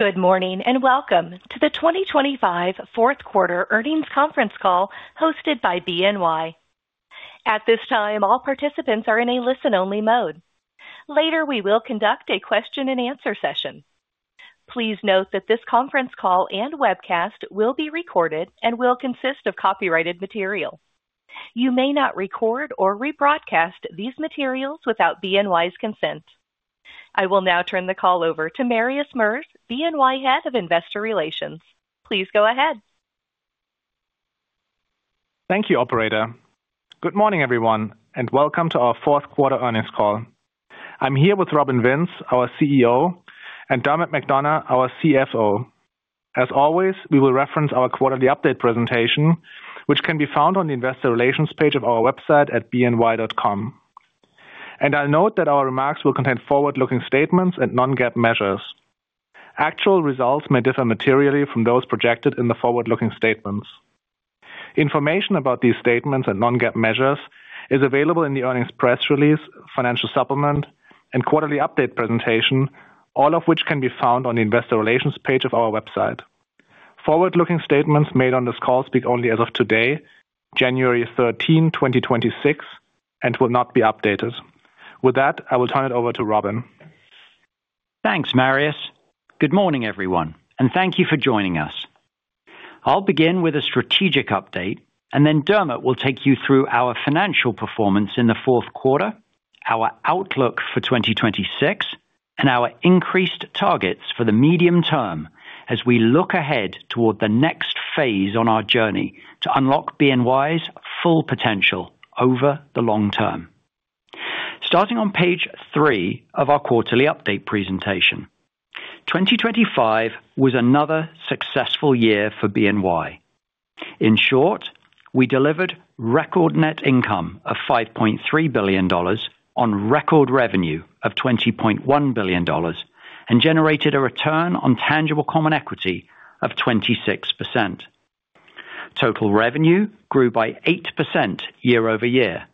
Good morning and welcome to the 2025 Fourth Quarter Earnings Conference Call hosted by BNY. At this time, all participants are in a listen-only mode. Later, we will conduct a question-and-answer session. Please note that this conference call and webcast will be recorded and will consist of copyrighted material. You may not record or rebroadcast these materials without BNY's consent. I will now turn the call over to Marius Merz, BNY Head of Investor Relations. Please go ahead. Thank you, Operator. Good morning, everyone, and welcome to our Fourth Quarter Earnings Call. I'm here with Robin Vince, our CEO, and Dermot McDonogh, our CFO. As always, we will reference our Quarterly Update presentation, which can be found on the Investor Relations page of our website at bny.com, and I'll note that our remarks will contain forward-looking statements and non-GAAP measures. Actual results may differ materially from those projected in the forward-looking statements. Information about these statements and non-GAAP measures is available in the earnings press release, financial supplement, and Quarterly Update presentation, all of which can be found on the Investor Relations page of our website. Forward-looking statements made on this call speak only as of today, January 13, 2026, and will not be updated. With that, I will turn it over to Robin. Thanks, Marius. Good morning, everyone, and thank you for joining us. I'll begin with a strategic update, and then Dermot will take you through our financial performance in the fourth quarter, our outlook for 2026, and our increased targets for the medium term as we look ahead toward the next phase on our journey to unlock BNY's full potential over the long term. Starting on page three of our Quarterly Update presentation, 2025 was another successful year for BNY. In short, we delivered record net income of $5.3 billion on record revenue of $20.1 billion and generated a return on tangible common equity of 26%. Total revenue grew by 8% year over year.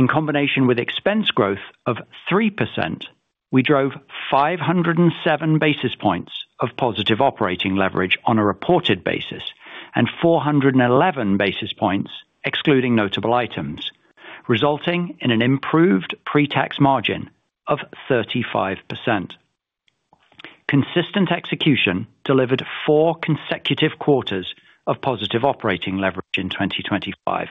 In combination with expense growth of 3%, we drove 507 basis points of positive operating leverage on a reported basis and 411 basis points excluding notable items, resulting in an improved pre-tax margin of 35%. Consistent execution delivered four consecutive quarters of positive operating leverage in 2025,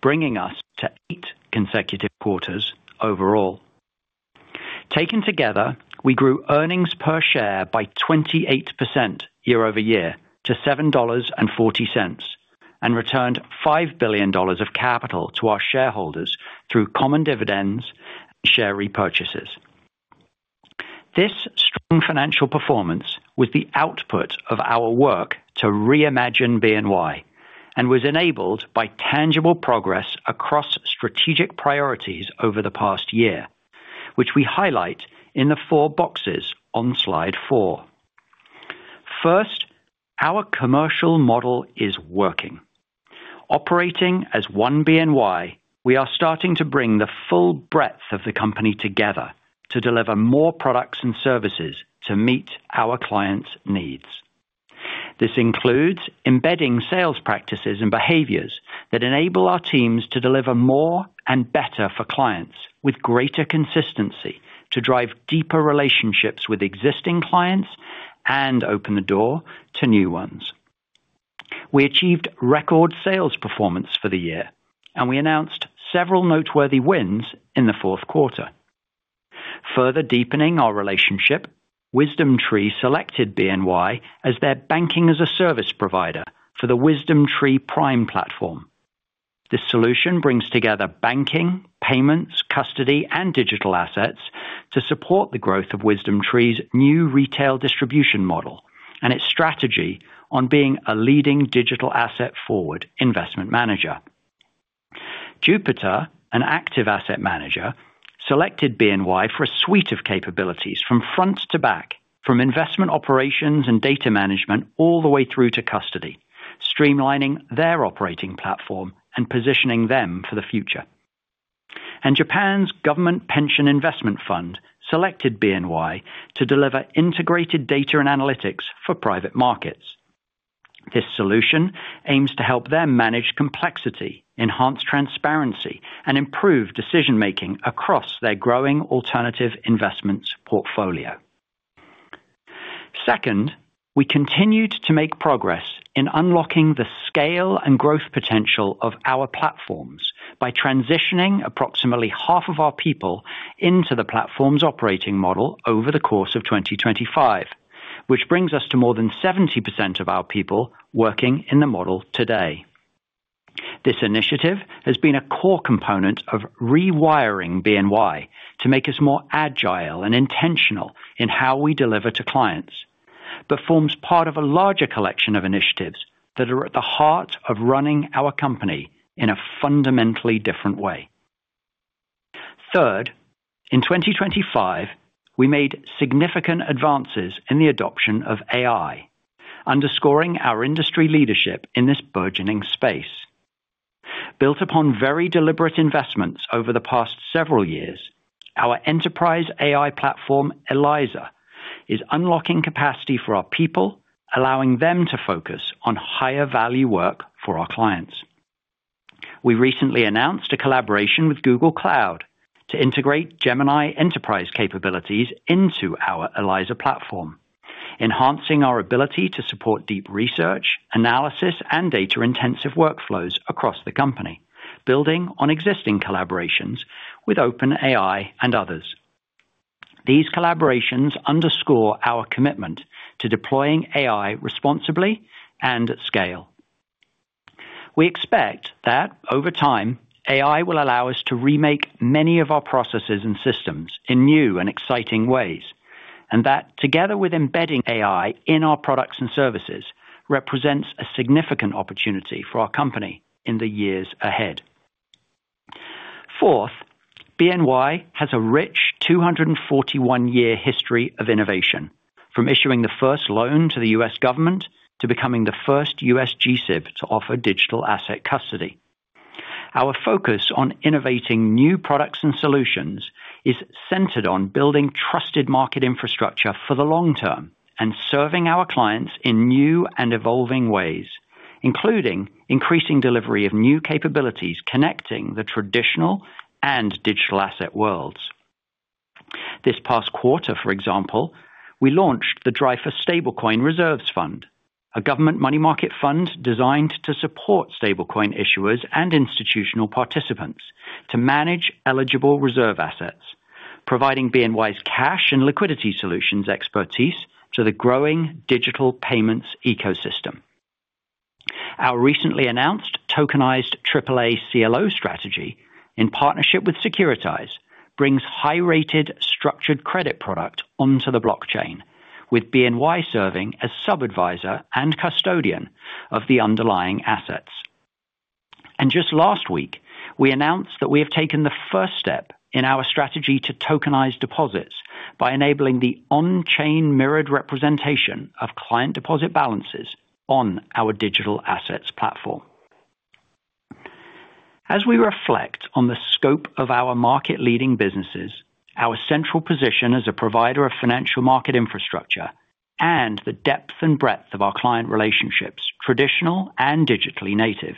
bringing us to eight consecutive quarters overall. Taken together, we grew earnings per share by 28% year over year to $7.40 and returned $5 billion of capital to our shareholders through common dividends and share repurchases. This strong financial performance was the output of our work to reimagine BNY and was enabled by tangible progress across strategic priorities over the past year, which we highlight in the four boxes on slide four. First, our commercial model is working. Operating as one BNY, we are starting to bring the full breadth of the company together to deliver more products and services to meet our clients' needs. This includes embedding sales practices and behaviors that enable our teams to deliver more and better for clients with greater consistency to drive deeper relationships with existing clients and open the door to new ones. We achieved record sales performance for the year, and we announced several noteworthy wins in the fourth quarter. Further deepening our relationship, WisdomTree selected BNY as their banking-as-a-service provider for the WisdomTree Prime platform. This solution brings together banking, payments, custody, and digital assets to support the growth of WisdomTree's new retail distribution model and its strategy on being a leading digital asset forward investment manager. Jupiter, an active asset manager, selected BNY for a suite of capabilities from front to back, from investment operations and data management all the way through to custody, streamlining their operating platform and positioning them for the future. Japan's Government Pension Investment Fund selected BNY to deliver integrated data and analytics for private markets. This solution aims to help them manage complexity, enhance transparency, and improve decision-making across their growing alternative investments portfolio. Second, we continued to make progress in unlocking the scale and growth potential of our platforms by transitioning approximately half of our people into the platform's operating model over the course of 2025, which brings us to more than 70% of our people working in the model today. This initiative has been a core component of rewiring BNY to make us more agile and intentional in how we deliver to clients, but forms part of a larger collection of initiatives that are at the heart of running our company in a fundamentally different way. Third, in 2025, we made significant advances in the adoption of AI, underscoring our industry leadership in this burgeoning space. Built upon very deliberate investments over the past several years, our enterprise AI platform, Eliza, is unlocking capacity for our people, allowing them to focus on higher-value work for our clients. We recently announced a collaboration with Google Cloud to integrate Gemini Enterprise capabilities into our Eliza platform, enhancing our ability to support deep research, analysis, and data-intensive workflows across the company, building on existing collaborations with OpenAI and others. These collaborations underscore our commitment to deploying AI responsibly and at scale. We expect that over time, AI will allow us to remake many of our processes and systems in new and exciting ways, and that together with embedding AI in our products and services represents a significant opportunity for our company in the years ahead. Fourth, BNY has a rich 241-year history of innovation, from issuing the first loan to the U.S. government to becoming the first U.S. GSIB to offer digital asset custody. Our focus on innovating new products and solutions is centered on building trusted market infrastructure for the long term and serving our clients in new and evolving ways, including increasing delivery of new capabilities connecting the traditional and digital asset worlds. This past quarter, for example, we launched the Dreyfus Stablecoin Reserves Fund, a government money market fund designed to support stablecoin issuers and institutional participants to manage eligible reserve assets, providing BNY's cash and liquidity solutions expertise to the growing digital payments ecosystem. Our recently announced tokenized AAA CLO strategy in partnership with Securitize brings high-rated structured credit product onto the blockchain, with BNY serving as sub-advisor and custodian of the underlying assets. And just last week, we announced that we have taken the first step in our strategy to tokenize deposits by enabling the on-chain mirrored representation of client deposit balances on our digital assets platform. As we reflect on the scope of our market-leading businesses, our central position as a provider of financial market infrastructure, and the depth and breadth of our client relationships, traditional and digitally native,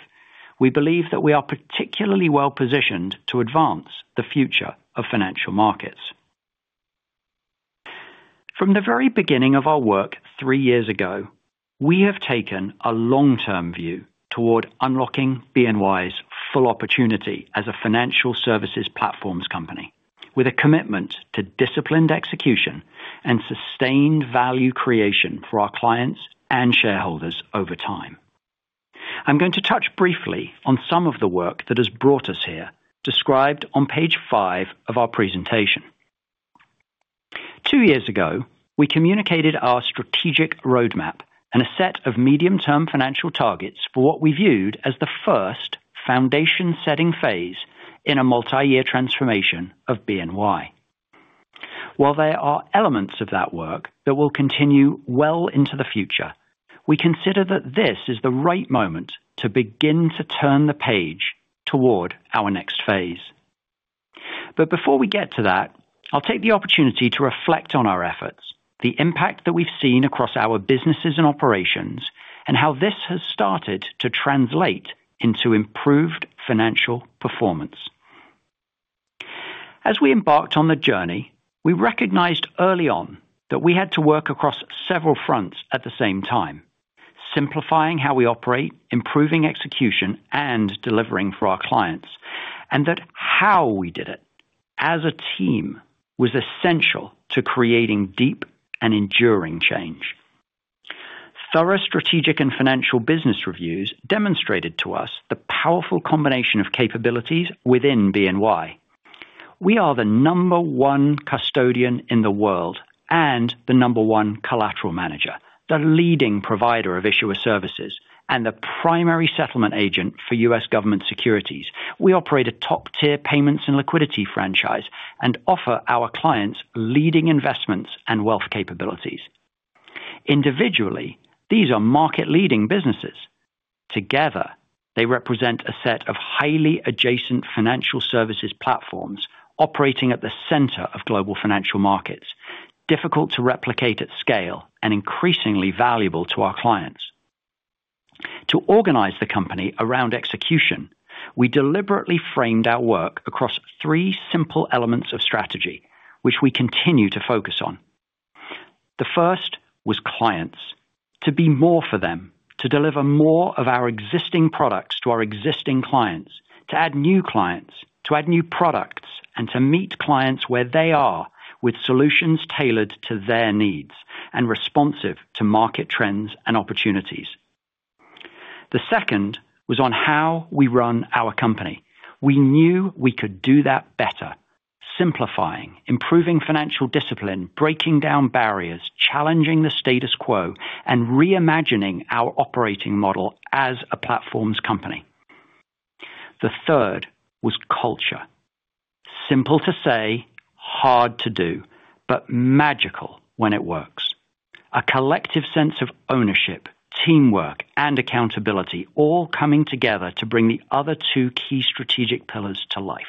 we believe that we are particularly well-positioned to advance the future of financial markets. From the very beginning of our work three years ago, we have taken a long-term view toward unlocking BNY's full opportunity as a financial services platforms company, with a commitment to disciplined execution and sustained value creation for our clients and shareholders over time. I'm going to touch briefly on some of the work that has brought us here, described on page five of our presentation. Two years ago, we communicated our strategic roadmap and a set of medium-term financial targets for what we viewed as the first foundation-setting phase in a multi-year transformation of BNY. While there are elements of that work that will continue well into the future, we consider that this is the right moment to begin to turn the page toward our next phase. But before we get to that, I'll take the opportunity to reflect on our efforts, the impact that we've seen across our businesses and operations, and how this has started to translate into improved financial performance. As we embarked on the journey, we recognized early on that we had to work across several fronts at the same time, simplifying how we operate, improving execution, and delivering for our clients, and that how we did it as a team was essential to creating deep and enduring change. Thorough strategic and financial business reviews demonstrated to us the powerful combination of capabilities within BNY. We are the number one custodian in the world and the number one collateral manager, the leading provider of issuer services, and the primary settlement agent for U.S. government securities. We operate a top-tier payments and liquidity franchise and offer our clients leading investments and wealth capabilities. Individually, these are market-leading businesses. Together, they represent a set of highly adjacent financial services platforms operating at the center of global financial markets, difficult to replicate at scale and increasingly valuable to our clients. To organize the company around execution, we deliberately framed our work across three simple elements of strategy, which we continue to focus on. The first was clients, to be more for them, to deliver more of our existing products to our existing clients, to add new clients, to add new products, and to meet clients where they are with solutions tailored to their needs and responsive to market trends and opportunities. The second was on how we run our company. We knew we could do that better, simplifying, improving financial discipline, breaking down barriers, challenging the status quo, and reimagining our operating model as a platforms company. The third was culture. Simple to say, hard to do, but magical when it works. A collective sense of ownership, teamwork, and accountability all coming together to bring the other two key strategic pillars to life.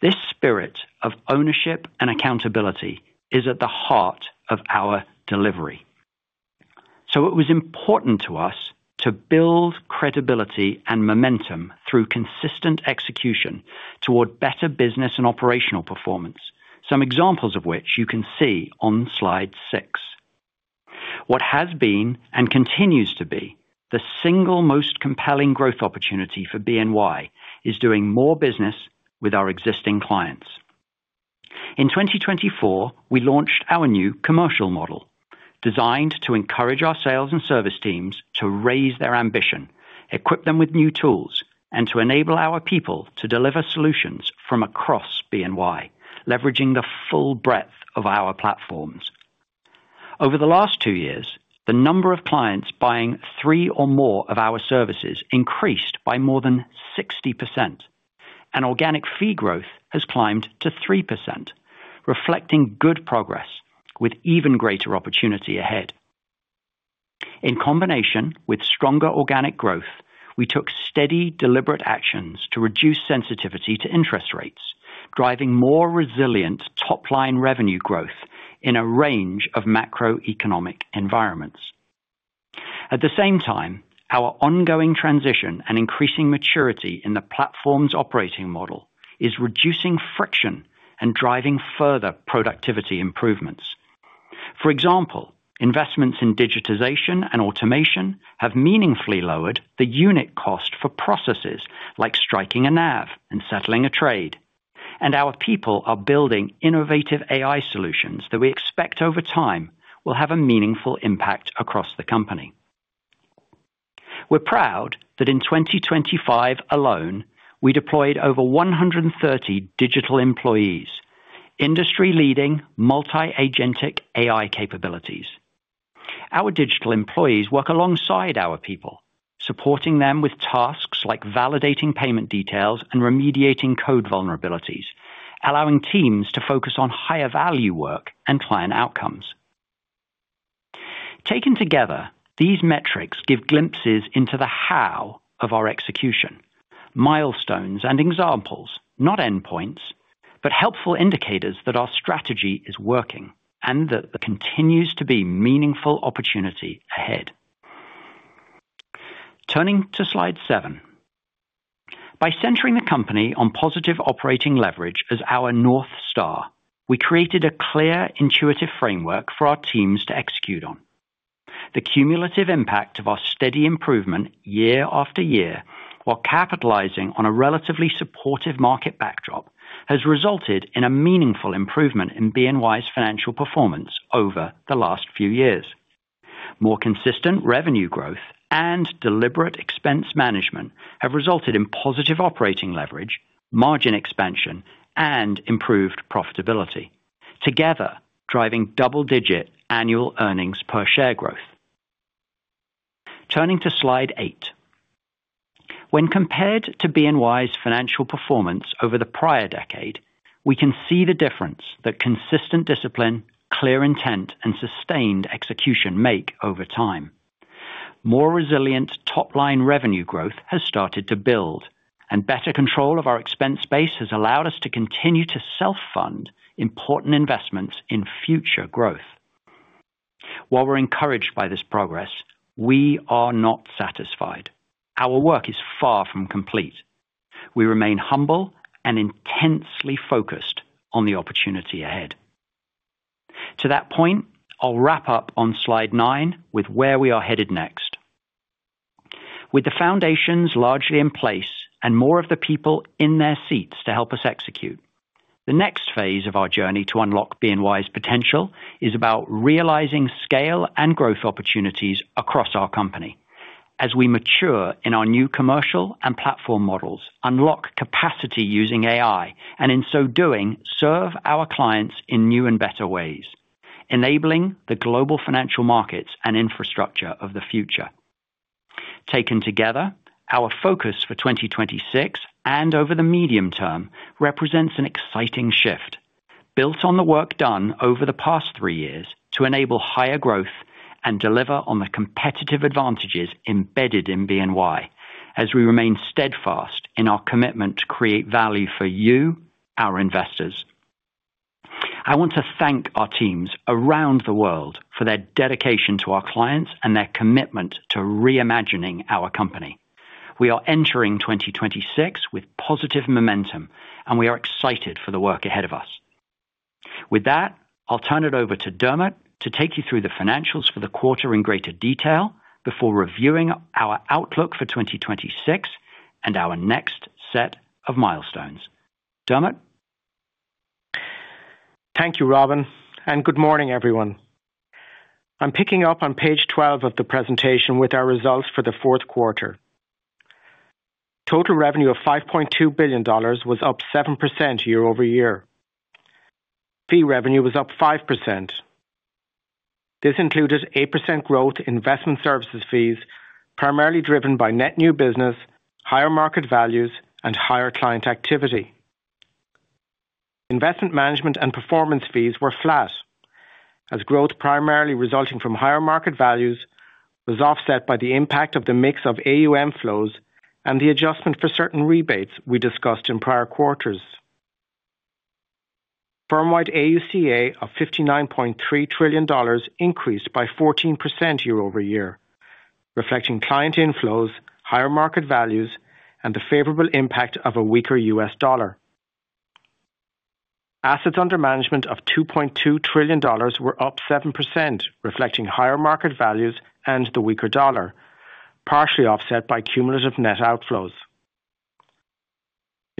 This spirit of ownership and accountability is at the heart of our delivery. It was important to us to build credibility and momentum through consistent execution toward better business and operational performance, some examples of which you can see on slide six. What has been and continues to be the single most compelling growth opportunity for BNY is doing more business with our existing clients. In 2024, we launched our new commercial model, designed to encourage our sales and service teams to raise their ambition, equip them with new tools, and to enable our people to deliver solutions from across BNY, leveraging the full breadth of our platforms. Over the last two years, the number of clients buying three or more of our services increased by more than 60%, and organic fee growth has climbed to 3%, reflecting good progress with even greater opportunity ahead. In combination with stronger organic growth, we took steady, deliberate actions to reduce sensitivity to interest rates, driving more resilient top-line revenue growth in a range of macroeconomic environments. At the same time, our ongoing transition and increasing maturity in the platforms operating model is reducing friction and driving further productivity improvements. For example, investments in digitization and automation have meaningfully lowered the unit cost for processes like striking a NAV and settling a trade, and our people are building innovative AI solutions that we expect over time will have a meaningful impact across the company. We're proud that in 2025 alone, we deployed over 130 digital employees, industry-leading multi-agentic AI capabilities. Our digital employees work alongside our people, supporting them with tasks like validating payment details and remediating code vulnerabilities, allowing teams to focus on higher-value work and client outcomes. Taken together, these metrics give glimpses into the how of our execution, milestones and examples, not endpoints, but helpful indicators that our strategy is working and that there continues to be meaningful opportunity ahead. Turning to slide seven. By centering the company on positive operating leverage as our north star, we created a clear, intuitive framework for our teams to execute on. The cumulative impact of our steady improvement year after year, while capitalizing on a relatively supportive market backdrop, has resulted in a meaningful improvement in BNY's financial performance over the last few years. More consistent revenue growth and deliberate expense management have resulted in positive operating leverage, margin expansion, and improved profitability, together driving double-digit annual earnings per share growth. Turning to slide eight. When compared to BNY's financial performance over the prior decade, we can see the difference that consistent discipline, clear intent, and sustained execution make over time. More resilient top-line revenue growth has started to build, and better control of our expense base has allowed us to continue to self-fund important investments in future growth. While we're encouraged by this progress, we are not satisfied. Our work is far from complete. We remain humble and intensely focused on the opportunity ahead. To that point, I'll wrap up on slide nine with where we are headed next. With the foundations largely in place and more of the people in their seats to help us execute, the next phase of our journey to unlock BNY's potential is about realizing scale and growth opportunities across our company as we mature in our new commercial and platform models, unlock capacity using AI, and in so doing, serve our clients in new and better ways, enabling the global financial markets and infrastructure of the future. Taken together, our focus for 2026 and over the medium term represents an exciting shift built on the work done over the past three years to enable higher growth and deliver on the competitive advantages embedded in BNY as we remain steadfast in our commitment to create value for you, our investors. I want to thank our teams around the world for their dedication to our clients and their commitment to reimagining our company. We are entering 2026 with positive momentum, and we are excited for the work ahead of us. With that, I'll turn it over to Dermot to take you through the financials for the quarter in greater detail before reviewing our outlook for 2026 and our next set of milestones. Dermot. Thank you, Robin, and good morning, everyone. I'm picking up on page 12 of the presentation with our results for the fourth quarter. Total revenue of $5.2 billion was up 7% year over year. Fee revenue was up 5%. This included 8% growth in investment services fees, primarily driven by net new business, higher market values, and higher client activity. Investment management and performance fees were flat, as growth primarily resulting from higher market values was offset by the impact of the mix of AUM flows and the adjustment for certain rebates we discussed in prior quarters. Firmwide AUCA of $59.3 trillion increased by 14% year over year, reflecting client inflows, higher market values, and the favorable impact of a weaker U.S. dollar. Assets under management of $2.2 trillion were up 7%, reflecting higher market values and the weaker dollar, partially offset by cumulative net outflows.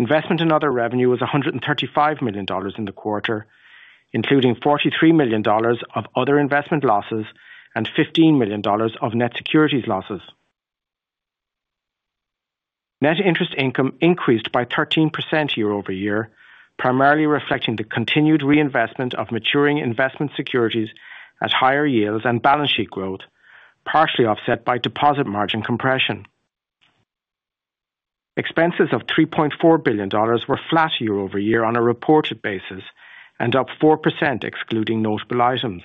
Investment in other revenue was $135 million in the quarter, including $43 million of other investment losses and $15 million of net securities losses. Net interest income increased by 13% year over year, primarily reflecting the continued reinvestment of maturing investment securities at higher yields and balance sheet growth, partially offset by deposit margin compression. Expenses of $3.4 billion were flat year over year on a reported basis and up 4% excluding notable items.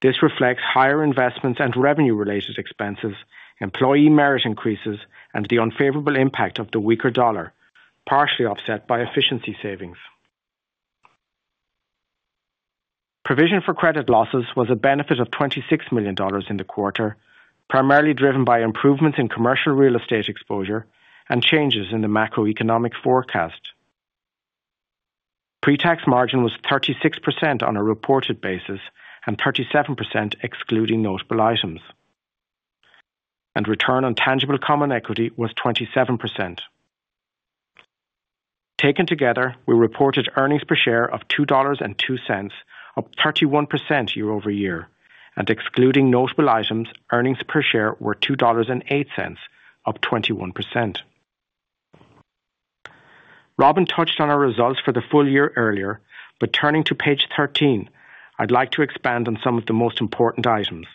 This reflects higher investments and revenue-related expenses, employee merit increases, and the unfavorable impact of the weaker dollar, partially offset by efficiency savings. Provision for credit losses was a benefit of $26 million in the quarter, primarily driven by improvements in commercial real estate exposure and changes in the macroeconomic forecast. Pre-tax margin was 36% on a reported basis and 37% excluding notable items, and return on tangible common equity was 27%. Taken together, we reported earnings per share of $2.02, up 31% year over year, and excluding notable items, earnings per share were $2.08, up 21%. Robin touched on our results for the full year earlier, but turning to page 13, I'd like to expand on some of the most important items.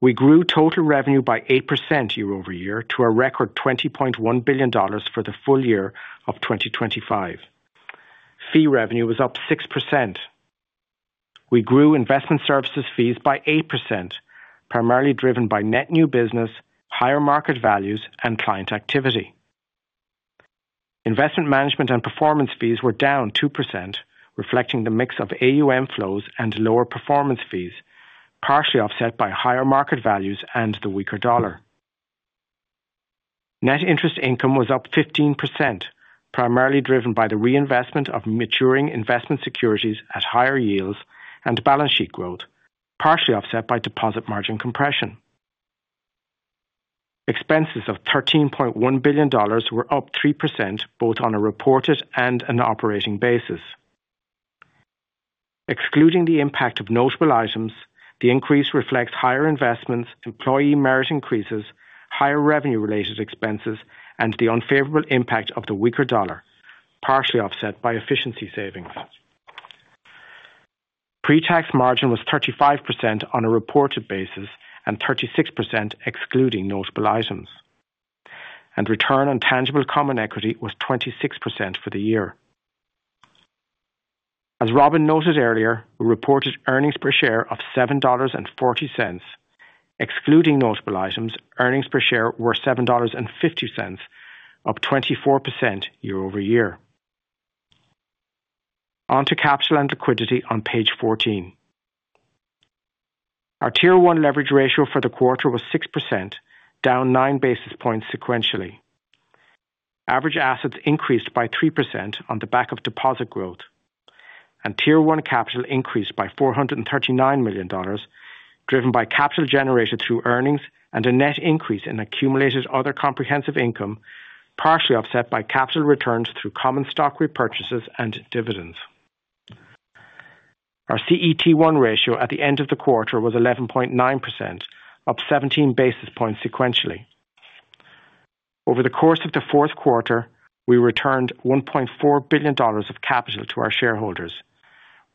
We grew total revenue by 8% year over year to a record $20.1 billion for the full year of 2025. Fee revenue was up 6%. We grew investment services fees by 8%, primarily driven by net new business, higher market values, and client activity. Investment management and performance fees were down 2%, reflecting the mix of AUM flows and lower performance fees, partially offset by higher market values and the weaker dollar. Net interest income was up 15%, primarily driven by the reinvestment of maturing investment securities at higher yields and balance sheet growth, partially offset by deposit margin compression. Expenses of $13.1 billion were up 3% both on a reported and an operating basis. Excluding the impact of notable items, the increase reflects higher investments, employee merit increases, higher revenue-related expenses, and the unfavorable impact of the weaker dollar, partially offset by efficiency savings. Pre-tax margin was 35% on a reported basis and 36% excluding notable items, and return on tangible common equity was 26% for the year. As Robin noted earlier, we reported earnings per share of $7.40. Excluding notable items, earnings per share were $7.50, up 24% year over year. On to capital and liquidity on page 14. Our Tier 1 Leverage Ratio for the quarter was 6%, down 9 basis points sequentially. Average assets increased by 3% on the back of deposit growth, and Tier 1 capital increased by $439 million, driven by capital generated through earnings and a net increase in accumulated other comprehensive income, partially offset by capital returns through common stock repurchases and dividends. Our CET1 ratio at the end of the quarter was 11.9%, up 17 basis points sequentially. Over the course of the fourth quarter, we returned $1.4 billion of capital to our shareholders,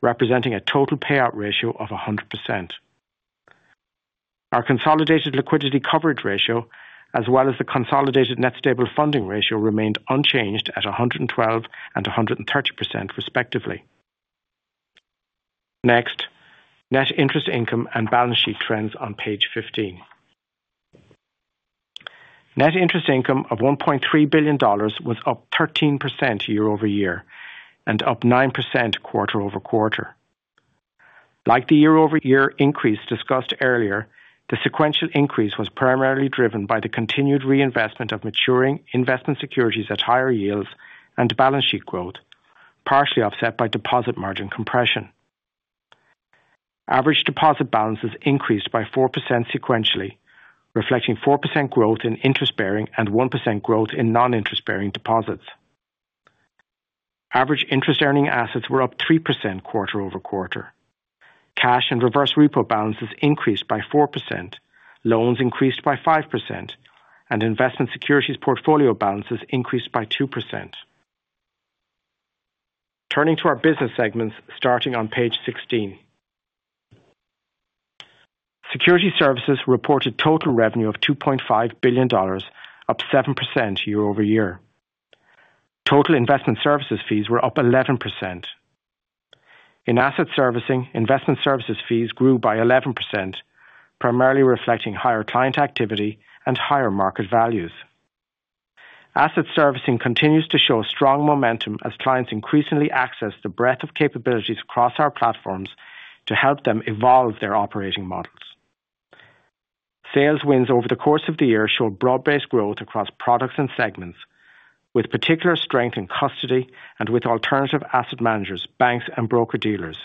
representing a total payout ratio of 100%. Our consolidated Liquidity Coverage Ratio, as well as the consolidated Net Stable Funding Ratio, remained unchanged at 112% and 130%, respectively. Next, Net Interest Income and balance sheet trends on page 15. Net interest income of $1.3 billion was up 13% year over year and up 9% quarter over quarter. Like the year-over-year increase discussed earlier, the sequential increase was primarily driven by the continued reinvestment of maturing investment securities at higher yields and balance sheet growth, partially offset by deposit margin compression. Average deposit balances increased by 4% sequentially, reflecting 4% growth in interest-bearing and 1% growth in non-interest-bearing deposits. Average interest-earning assets were up 3% quarter-over-quarter. Cash and reverse repo balances increased by 4%, loans increased by 5%, and investment securities portfolio balances increased by 2%. Turning to our business segments starting on page 16. Security Services reported total revenue of $2.5 billion, up 7% year over year. Total investment services fees were up 11%. In asset servicing, investment services fees grew by 11%, primarily reflecting higher client activity and higher market values. Asset servicing continues to show strong momentum as clients increasingly access the breadth of capabilities across our platforms to help them evolve their operating models. Sales wins over the course of the year showed broad-based growth across products and segments, with particular strength in custody and with alternative asset managers, banks, and broker-dealers,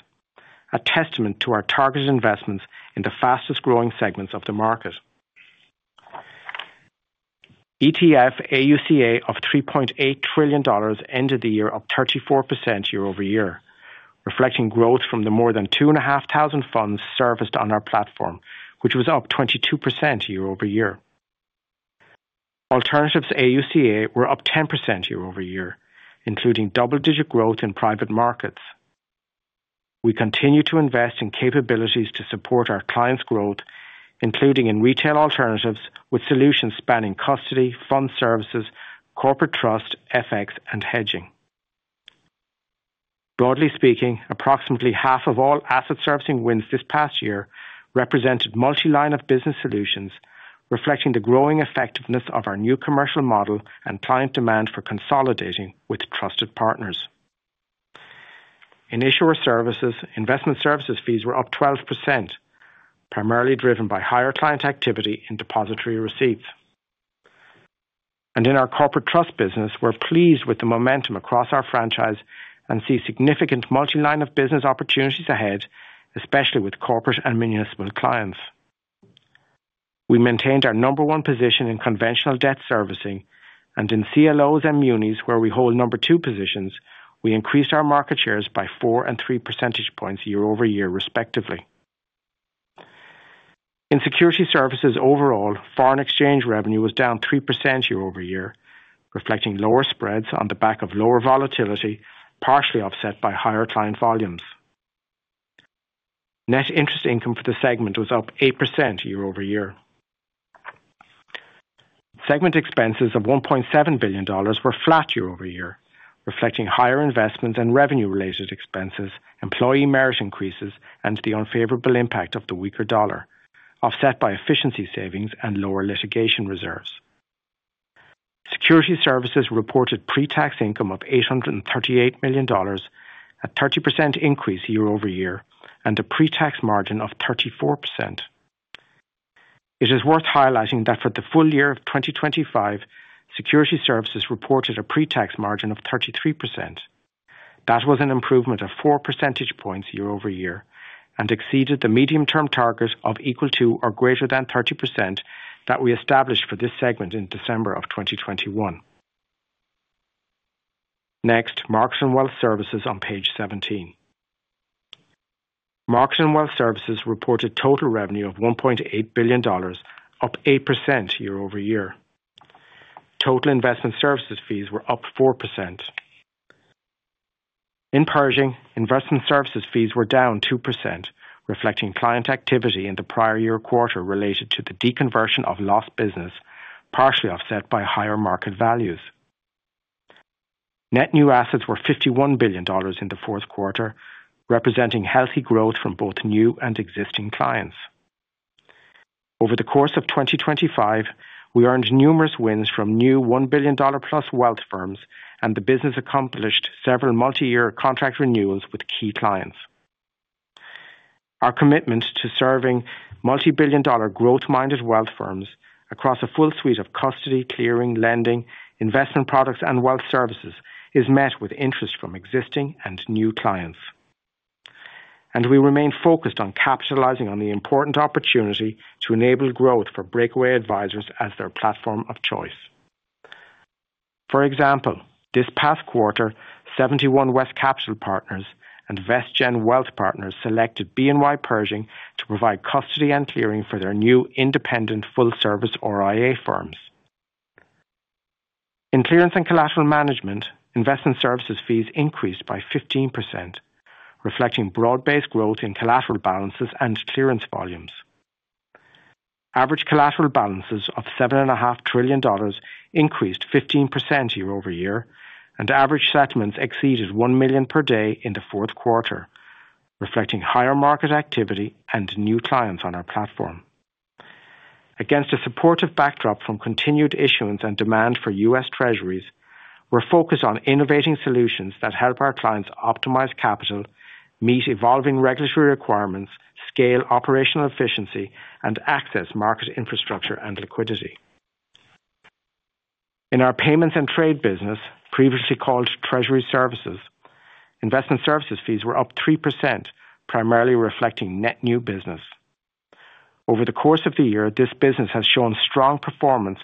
a testament to our targeted investments in the fastest-growing segments of the market. ETF AUCA of $3.8 trillion ended the year up 34% year-over-year, reflecting growth from the more than 2,500 funds serviced on our platform, which was up 22% year-over-year. Alternatives AUCA were up 10% year-over-year, including double-digit growth in private markets. We continue to invest in capabilities to support our clients' growth, including in retail alternatives with solutions spanning custody, fund servicies, corporate trust, FX, and hedging. Broadly speaking, approximately half of all asset servicing wins this past year represented multi-line-of-business solutions, reflecting the growing effectiveness of our new commercial model and client demand for consolidating with trusted partners. In issuer services, investment services fees were up 12%, primarily driven by higher client activity in depository receipts, and in our corporate trust business, we're pleased with the momentum across our franchise and see significant multi-line-of-business opportunities ahead, especially with corporate and municipal clients. We maintained our number one position in conventional debt servicing, and in CLOs and munis, where we hold number two positions, we increased our market shares by 4 and 3 percentage points year over year, respectively. In security services overall, foreign exchange revenue was down 3% year over year, reflecting lower spreads on the back of lower volatility, partially offset by higher client volumes. Net interest income for the segment was up 8% year over year. Segment expenses of $1.7 billion were flat year over year, reflecting higher investments and revenue-related expenses, employee merit increases, and the unfavorable impact of the weaker dollar, offset by efficiency savings and lower litigation reserves. Security services reported pre-tax income of $838 million at a 30% increase year over year and a pre-tax margin of 34%. It is worth highlighting that for the full year of 2025, security services reported a pre-tax margin of 33%. That was an improvement of 4 percentage points year over year and exceeded the medium-term target of equal to or greater than 30% that we established for this segment in December of 2021. Next, Markets and Wealth Services on page 17. Markets and Wealth Services reported total revenue of $1.8 billion, up 8% year over year. Total investment services fees were up 4%. In Pershing, investment services fees were down 2%, reflecting client activity in the prior year quarter related to the deconversion of lost business, partially offset by higher market values. Net new assets were $51 billion in the fourth quarter, representing healthy growth from both new and existing clients. Over the course of 2025, we earned numerous wins from new $1 billion-plus wealth firms, and the business accomplished several multi-year contract renewals with key clients. Our commitment to serving multi-billion-dollar growth-minded wealth firms across a full suite of custody, clearing, lending, investment products, and wealth services is met with interest from existing and new clients. And we remain focused on capitalizing on the important opportunity to enable growth for breakaway advisors as their platform of choice. For example, this past quarter, 71 West Capital Partners and VestGen Wealth Partners selected BNY Pershing to provide custody and clearing for their new independent full-service or RIA firms. In Clearance and Collateral Management, investment services fees increased by 15%, reflecting broad-based growth in collateral balances and clearance volumes. Average collateral balances of $7.5 trillion increased 15% year over year, and average settlements exceeded $1 million per day in the fourth quarter, reflecting higher market activity and new clients on our platform. Against a supportive backdrop from continued issuance and demand for U.S. Treasuries, we're focused on innovating solutions that help our clients optimize capital, meet evolving regulatory requirements, scale operational efficiency, and access market infrastructure and liquidity. In our Payments and Trade business, previously called Treasury Services, investment services fees were up 3%, primarily reflecting net new business. Over the course of the year, this business has shown strong performance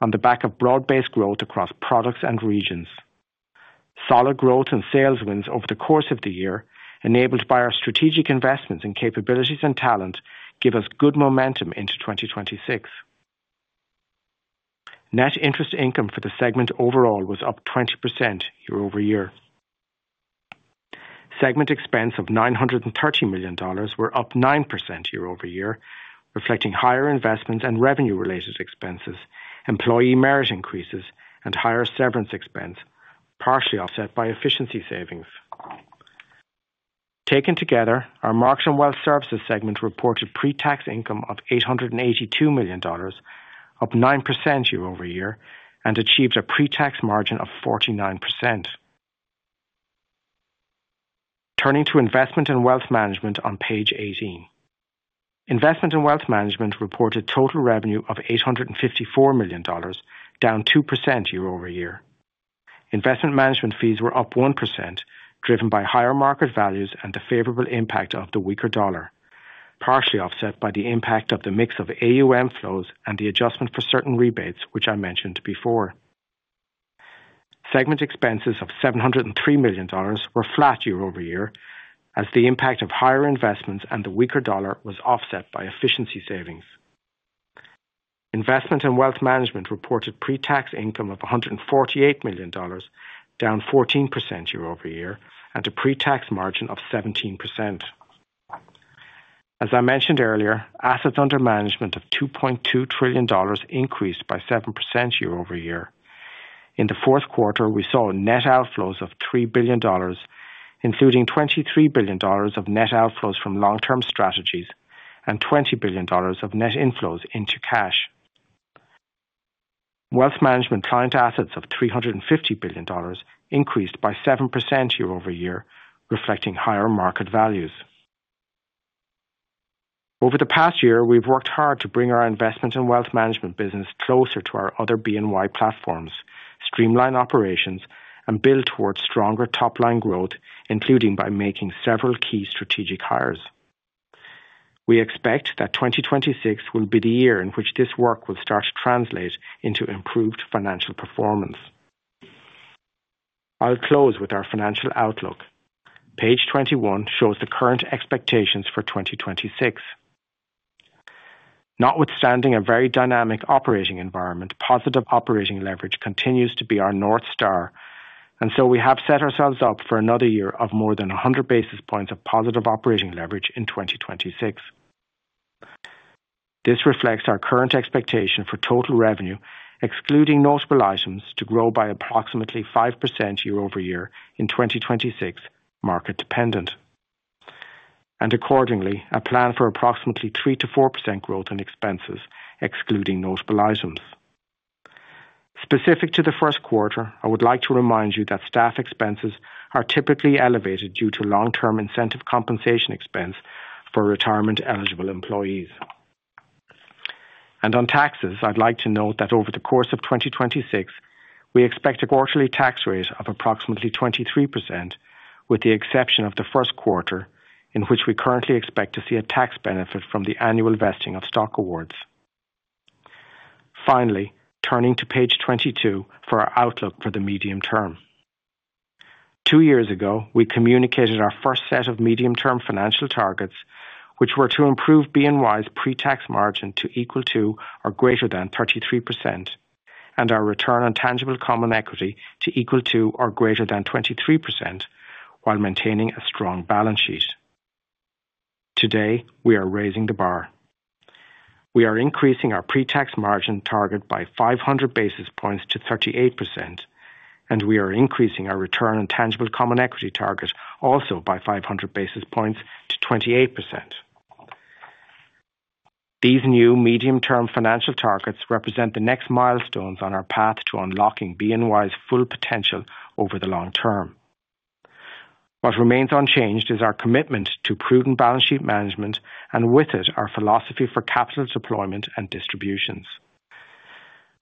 on the back of broad-based growth across products and regions. Solid growth and sales wins over the course of the year, enabled by our strategic investments in capabilities and talent, give us good momentum into 2026. Net interest income for the segment overall was up 20% year over year. Segment expense of $930 million were up 9% year over year, reflecting higher investments and revenue-related expenses, employee merit increases, and higher severance expense, partially offset by efficiency savings. Taken together, our Markets and Wealth Services segment reported pre-tax income of $882 million, up 9% year over year, and achieved a pre-tax margin of 49%. Turning to investment and wealth management on page 18. Investment and Wealth Management reported total revenue of $854 million, down 2% year over year. Investment management fees were up 1%, driven by higher market values and the favorable impact of the weaker dollar, partially offset by the impact of the mix of AUM flows and the adjustment for certain rebates, which I mentioned before. Segment expenses of $703 million were flat year over year, as the impact of higher investments and the weaker dollar was offset by efficiency savings. Investment and wealth management reported pre-tax income of $148 million, down 14% year over year, and a pre-tax margin of 17%. As I mentioned earlier, assets under management of $2.2 trillion increased by 7% year over year. In the fourth quarter, we saw net outflows of $3 billion, including $23 billion of net outflows from long-term strategies and $20 billion of net inflows into cash. Wealth management client assets of $350 billion increased by 7% year over year, reflecting higher market values. Over the past year, we've worked hard to bring our investment and wealth management business closer to our other BNY platforms, streamline operations, and build towards stronger top-line growth, including by making several key strategic hires. We expect that 2026 will be the year in which this work will start to translate into improved financial performance. I'll close with our financial outlook. Page 21 shows the current expectations for 2026. Notwithstanding a very dynamic operating environment, positive operating leverage continues to be our North Star, and so we have set ourselves up for another year of more than 100 basis points of positive operating leverage in 2026. This reflects our current expectation for total revenue, excluding notable items, to grow by approximately 5% year over year in 2026, market dependent, and accordingly, a plan for approximately 3%-4% growth in expenses, excluding notable items. Specific to the first quarter, I would like to remind you that staff expenses are typically elevated due to long-term incentive compensation expense for retirement-eligible employees, and on taxes, I'd like to note that over the course of 2026, we expect a quarterly tax rate of approximately 23%, with the exception of the first quarter, in which we currently expect to see a tax benefit from the annual vesting of stock awards. Finally, turning to page 22 for our outlook for the medium term. Two years ago, we communicated our first set of medium-term financial targets, which were to improve BNY's pre-tax margin to equal to or greater than 33%, and our return on tangible common equity to equal to or greater than 23%, while maintaining a strong balance sheet. Today, we are raising the bar. We are increasing our pre-tax margin target by 500 basis points to 38%, and we are increasing our return on tangible common equity target also by 500 basis points to 28%. These new medium-term financial targets represent the next milestones on our path to unlocking BNY's full potential over the long term. What remains unchanged is our commitment to prudent balance sheet management, and with it, our philosophy for capital deployment and distributions.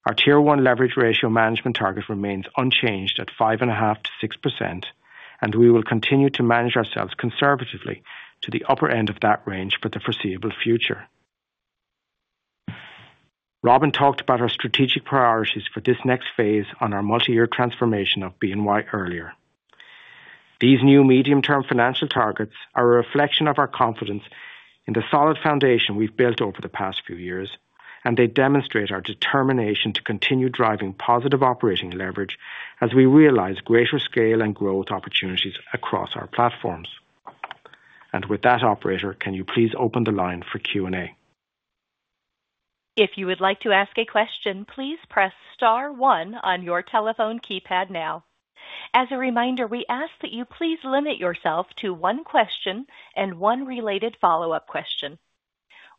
Our Tier 1 leverage ratio management target remains unchanged at 5.5%-6%, and we will continue to manage ourselves conservatively to the upper end of that range for the foreseeable future. Robin talked about our strategic priorities for this next phase on our multi-year transformation of BNY earlier. These new medium-term financial targets are a reflection of our confidence in the solid foundation we've built over the past few years, and they demonstrate our determination to continue driving positive operating leverage as we realize greater scale and growth opportunities across our platforms. And with that, Operator, can you please open the line for Q&A? If you would like to ask a question, please press star one on your telephone keypad now. As a reminder, we ask that you please limit yourself to one question and one related follow-up question.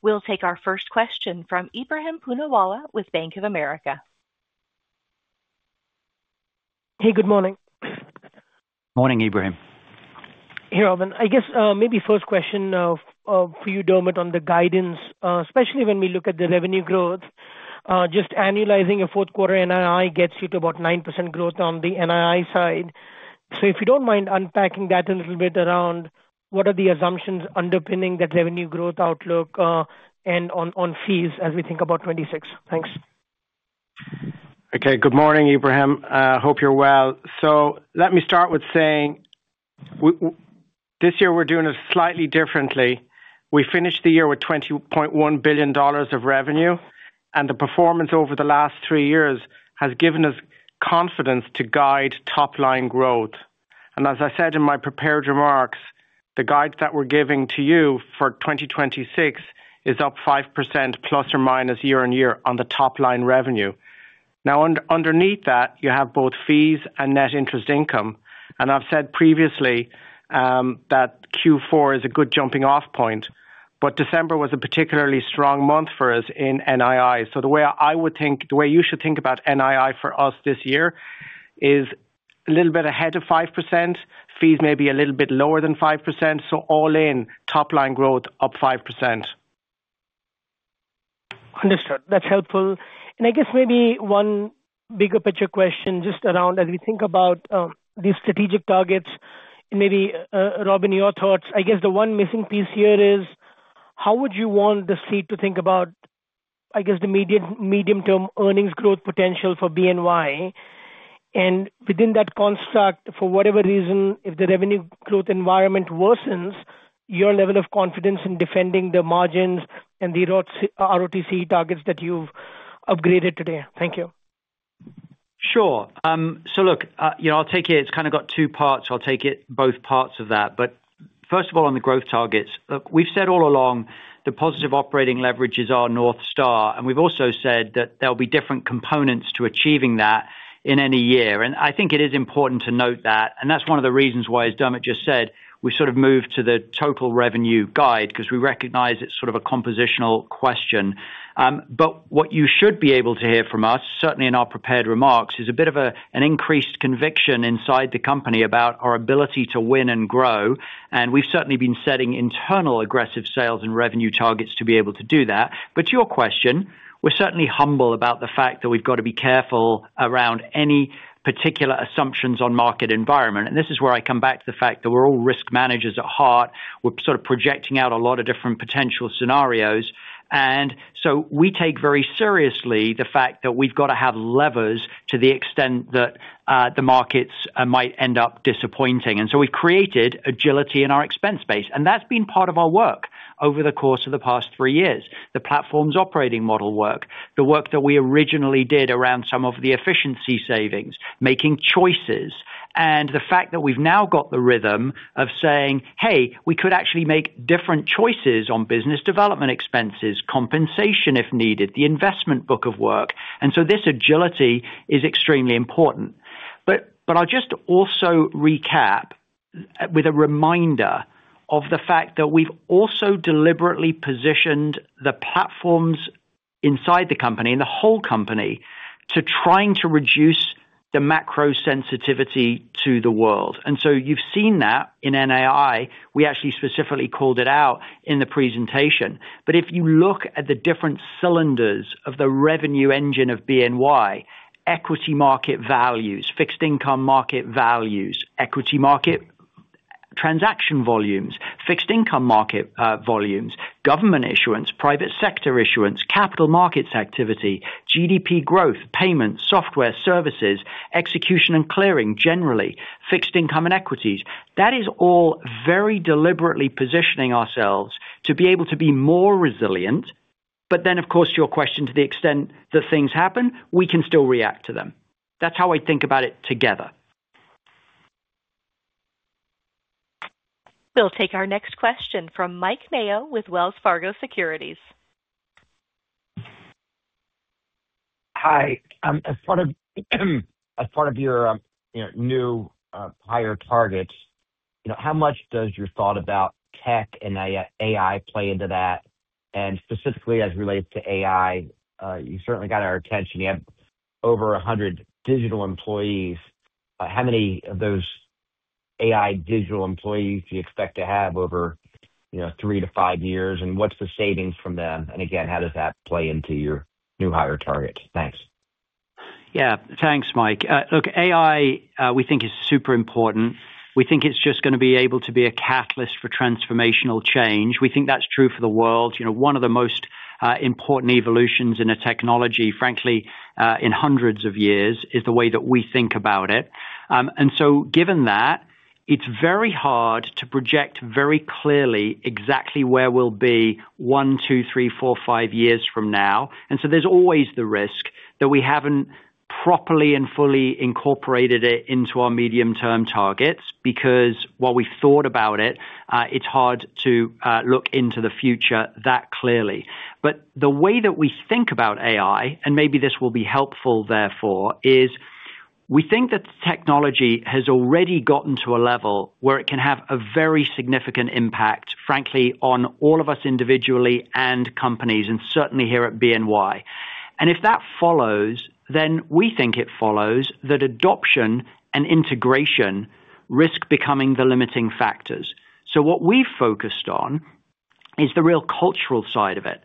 We'll take our first question from Ebrahim Poonawala with Bank of America. Hey, good morning. Morning, Ebrahim. Hey, Robin. I guess maybe first question for you, Dermot, on the guidance, especially when we look at the revenue growth. Just annualizing your fourth quarter NII gets you to about 9% growth on the NII side. So if you don't mind unpacking that a little bit around what are the assumptions underpinning that revenue growth outlook and on fees as we think about 2026. Thanks. Okay. Good morning, Ibrahim. I hope you're well. So let me start with saying this year we're doing it slightly differently. We finished the year with $20.1 billion of revenue, and the performance over the last three years has given us confidence to guide top-line growth. And as I said in my prepared remarks, the guide that we're giving to you for 2026 is up 5% plus or minus year on year on the top-line revenue. Now, underneath that, you have both fees and net interest income. And I've said previously that Q4 is a good jumping-off point, but December was a particularly strong month for us in NII. So the way I would think, the way you should think about NII for us this year is a little bit ahead of 5%, fees maybe a little bit lower than 5%. So all in, top-line growth up 5%. Understood. That's helpful. And I guess maybe one bigger picture question just around as we think about these strategic targets. Maybe, Robin, your thoughts. I guess the one missing piece here is how would you want the Street to think about, I guess, the medium-term earnings growth potential for BNY? And within that construct, for whatever reason, if the revenue growth environment worsens, your level of confidence in defending the margins and the ROTCE targets that you've upgraded today. Thank you. Sure. So look, I'll take it. It's kind of got two parts. I'll take it both parts of that. But first of all, on the growth targets, look, we've said all along the positive operating leverage is our North Star, and we've also said that there'll be different components to achieving that in any year. And I think it is important to note that. And that's one of the reasons why, as Dermot just said, we've sort of moved to the total revenue guide because we recognize it's sort of a compositional question. But what you should be able to hear from us, certainly in our prepared remarks, is a bit of an increased conviction inside the company about our ability to win and grow. And we've certainly been setting internal aggressive sales and revenue targets to be able to do that. But to your question, we're certainly humble about the fact that we've got to be careful around any particular assumptions on market environment. And this is where I come back to the fact that we're all risk managers at heart. We're sort of projecting out a lot of different potential scenarios. And so we take very seriously the fact that we've got to have levers to the extent that the markets might end up disappointing. And so we've created agility in our expense base. And that's been part of our work over the course of the past three years: the platform's operating model work, the work that we originally did around some of the efficiency savings, making choices, and the fact that we've now got the rhythm of saying, "Hey, we could actually make different choices on business development expenses, compensation if needed, the investment book of work." And so this agility is extremely important. But I'll just also recap with a reminder of the fact that we've also deliberately positioned the platforms inside the company and the whole company to trying to reduce the macro sensitivity to the world. And so you've seen that in NII. We actually specifically called it out in the presentation. But if you look at the different cylinders of the revenue engine of BNY: equity market values, fixed income market values, equity market transaction volumes, fixed income market volumes, government issuance, private sector issuance, capital markets activity, GDP growth, payments, software, services, execution and clearing generally, fixed income and equities. That is all very deliberately positioning ourselves to be able to be more resilient. But then, of course, to your question, to the extent that things happen, we can still react to them. That's how I think about it together. We'll take our next question from Mike Mayo with Wells Fargo Securities. Hi. As part of your new hire targets, how much does your thought about tech and AI play into that? And specifically as it relates to AI, you certainly got our attention. You have over 100 digital employees. How many of those AI digital employees do you expect to have over three to five years? And what's the savings from them? And again, how does that play into your new hire targets? Thanks. Yeah. Thanks, Mike. Look, AI, we think, is super important. We think it's just going to be able to be a catalyst for transformational change. We think that's true for the world. One of the most important evolutions in a technology, frankly, in hundreds of years, is the way that we think about it. And so given that, it's very hard to project very clearly exactly where we'll be one, two, three, four, five years from now. And so there's always the risk that we haven't properly and fully incorporated it into our medium-term targets because while we've thought about it, it's hard to look into the future that clearly. But the way that we think about AI, and maybe this will be helpful therefore, is we think that the technology has already gotten to a level where it can have a very significant impact, frankly, on all of us individually and companies, and certainly here at BNY. And if that follows, then we think it follows that adoption and integration risk becoming the limiting factors. So what we've focused on is the real cultural side of it.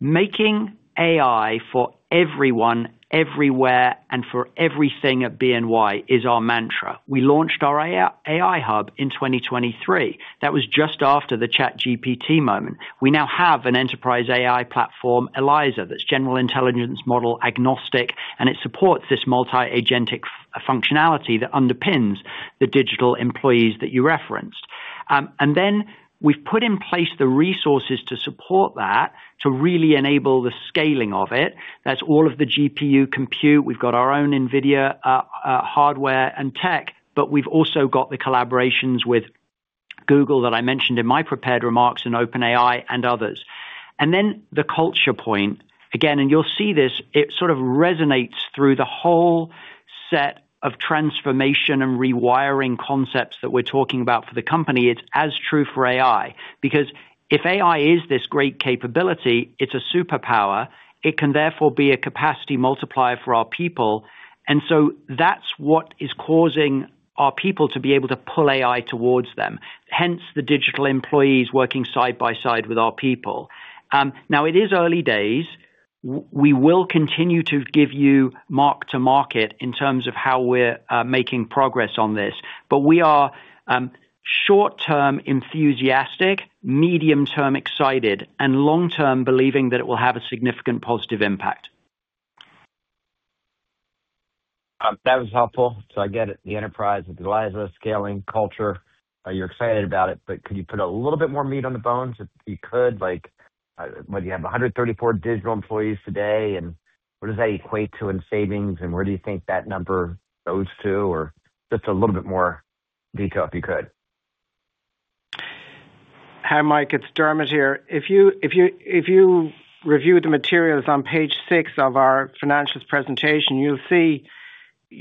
Making AI for everyone, everywhere, and for everything at BNY is our mantra. We launched our AI hub in 2023. That was just after the ChatGPT moment. We now have an enterprise AI platform, ELIZA, that's general intelligence model agnostic, and it supports this multi-agentic functionality that underpins the digital employees that you referenced, and then we've put in place the resources to support that to really enable the scaling of it. That's all of the GPU compute. We've got our own NVIDIA hardware and tech, but we've also got the collaborations with Google that I mentioned in my prepared remarks and OpenAI and others, and then the culture point, again, and you'll see this, it sort of resonates through the whole set of transformation and rewiring concepts that we're talking about for the company. It's as true for AI because if AI is this great capability, it's a superpower. It can therefore be a capacity multiplier for our people. And so that's what is causing our people to be able to pull AI towards them, hence the digital employees working side by side with our people. Now, it is early days. We will continue to give you mark-to-market in terms of how we're making progress on this, but we are short-term enthusiastic, medium-term excited, and long-term believing that it will have a significant positive impact. That was helpful, so I get it. The enterprise, the Eliza scaling culture, you're excited about it, but could you put a little bit more meat on the bones if you could? What do you have? 134 digital employees today. And what does that equate to in savings? And where do you think that number goes to? Or just a little bit more detail if you could. Hi, Mike. It's Dermot here. If you review the materials on page six of our financials presentation, you'll see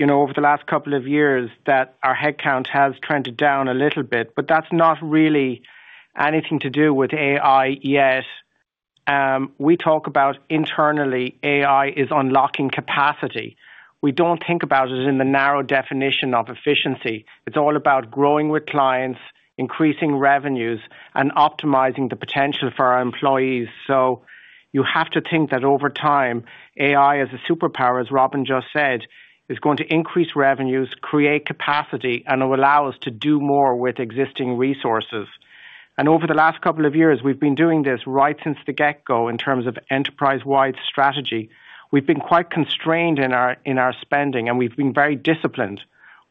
over the last couple of years that our headcount has trended down a little bit, but that's not really anything to do with AI yet. We talk about, internally, AI is unlocking capacity. We don't think about it in the narrow definition of efficiency. It's all about growing with clients, increasing revenues, and optimizing the potential for our employees, so you have to think that over time, AI as a superpower, as Robin just said, is going to increase revenues, create capacity, and allow us to do more with existing resources, and over the last couple of years, we've been doing this right since the get-go in terms of enterprise-wide strategy. We've been quite constrained in our spending, and we've been very disciplined.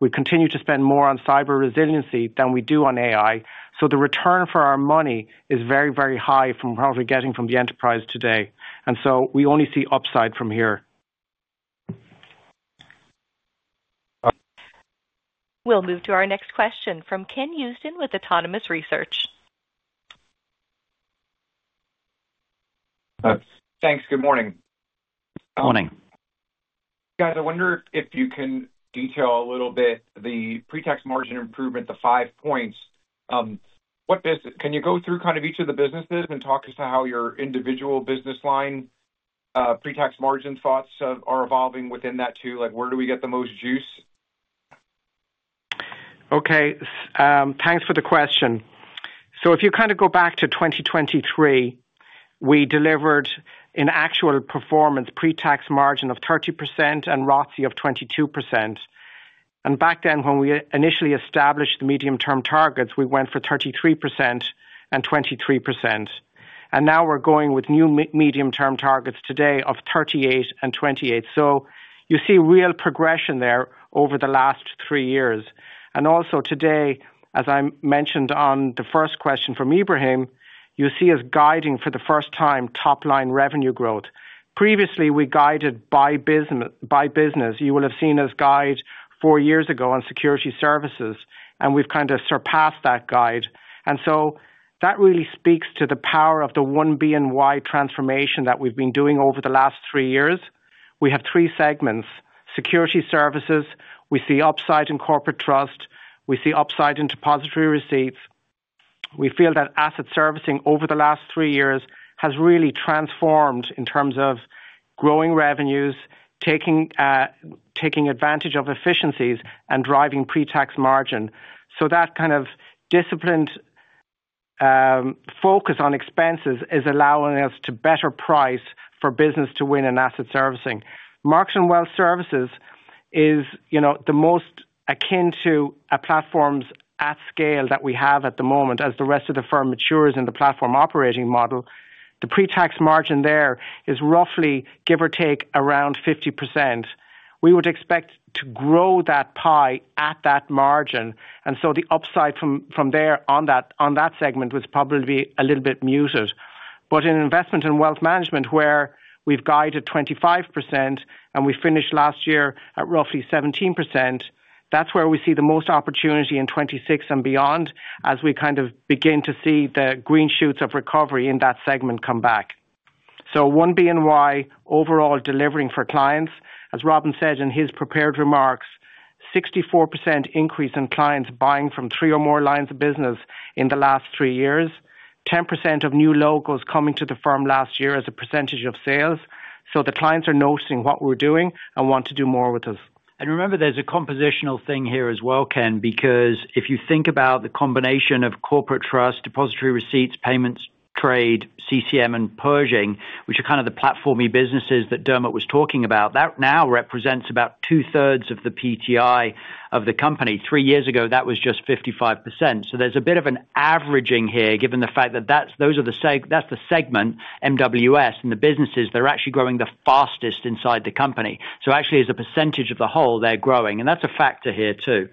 We continue to spend more on cyber resiliency than we do on AI. So the return for our money is very, very high from what we're getting from the enterprise today. And so we only see upside from here. We'll move to our next question from Ken Houston with Autonomous Research. Thanks. Good morning. Morning. Guys, I wonder if you can detail a little bit the pre-tax margin improvement, the five points. Can you go through kind of each of the businesses and talk us to how your individual business line pre-tax margin thoughts are evolving within that too? Where do we get the most juice? Okay. Thanks for the question. So if you kind of go back to 2023, we delivered an actual performance pre-tax margin of 30% and ROTCE of 22%. And back then, when we initially established the medium-term targets, we went for 33% and 23%. And now we're going with new medium-term targets today of 38% and 28%. So you see real progression there over the last three years. And also today, as I mentioned on the first question from Ibrahim, you see us guiding for the first time top-line revenue growth. Previously, we guided by business. You will have seen us guide four years ago on security services, and we've kind of surpassed that guide. And so that really speaks to the power of the BNY transformation that we've been doing over the last three years. We have three segments: security services. We see upside in corporate trust. We see upside in depository receipts. We feel that asset servicing over the last three years has really transformed in terms of growing revenues, taking advantage of efficiencies, and driving pre-tax margin. So that kind of disciplined focus on expenses is allowing us to better price for business to win in asset servicing. Markets and Wealth Services is the most akin to a platform's at scale that we have at the moment. As the rest of the firm matures in the platform operating model, the pre-tax margin there is roughly, give or take, around 50%. We would expect to grow that pie at that margin. And so the upside from there on that segment was probably a little bit muted. But in investment and wealth management, where we've guided 25% and we finished last year at roughly 17%, that's where we see the most opportunity in 2026 and beyond as we kind of begin to see the green shoots of recovery in that segment come back. So BNY overall delivering for clients. As Robin said in his prepared remarks, 64% increase in clients buying from three or more lines of business in the last three years, 10% of new logos coming to the firm last year as a percentage of sales. The clients are noticing what we're doing and want to do more with us. Remember, there's a compositional thing here as well, Ken, because if you think about the combination of corporate trust, depository receipts, payments, trade, CCM, and Pershing, which are kind of the platformy businesses that Dermot was talking about, that now represents about two-thirds of the PTI of the company. Three years ago, that was just 55%. There's a bit of an averaging here given the fact that those are the segment, MWS, and the businesses, they're actually growing the fastest inside the company. Actually, as a percentage of the whole, they're growing. And that's a factor here too.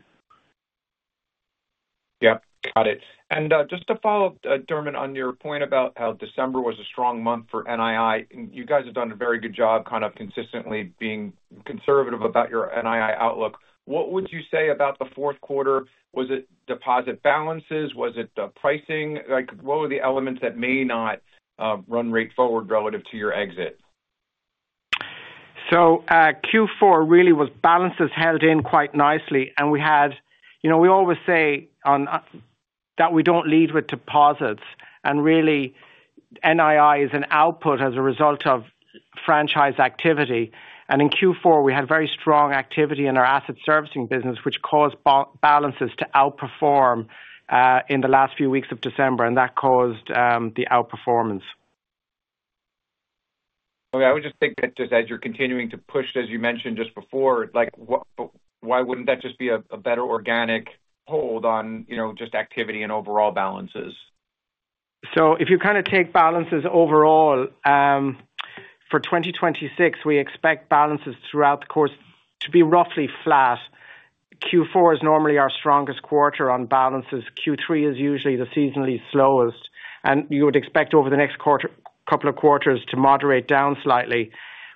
Yep. Got it. And just to follow up, Dermot, on your point about how December was a strong month for NII, you guys have done a very good job kind of consistently being conservative about your NII outlook. What would you say about the fourth quarter? Was it deposit balances? Was it pricing? What were the elements that may not run rate forward relative to your exit? So Q4 really was balances held in quite nicely. And we always say that we don't lead with deposits. And really, NII is an output as a result of franchise activity. And in Q4, we had very strong activity in our asset servicing business, which caused balances to outperform in the last few weeks of December, and that caused the outperformance. I would just think that just as you're continuing to push, as you mentioned just before, why wouldn't that just be a better organic hold on just activity and overall balances? So if you kind of take balances overall, for 2026, we expect balances throughout the course to be roughly flat. Q4 is normally our strongest quarter on balances. Q3 is usually the seasonally slowest. And you would expect over the next couple of quarters to moderate down slightly.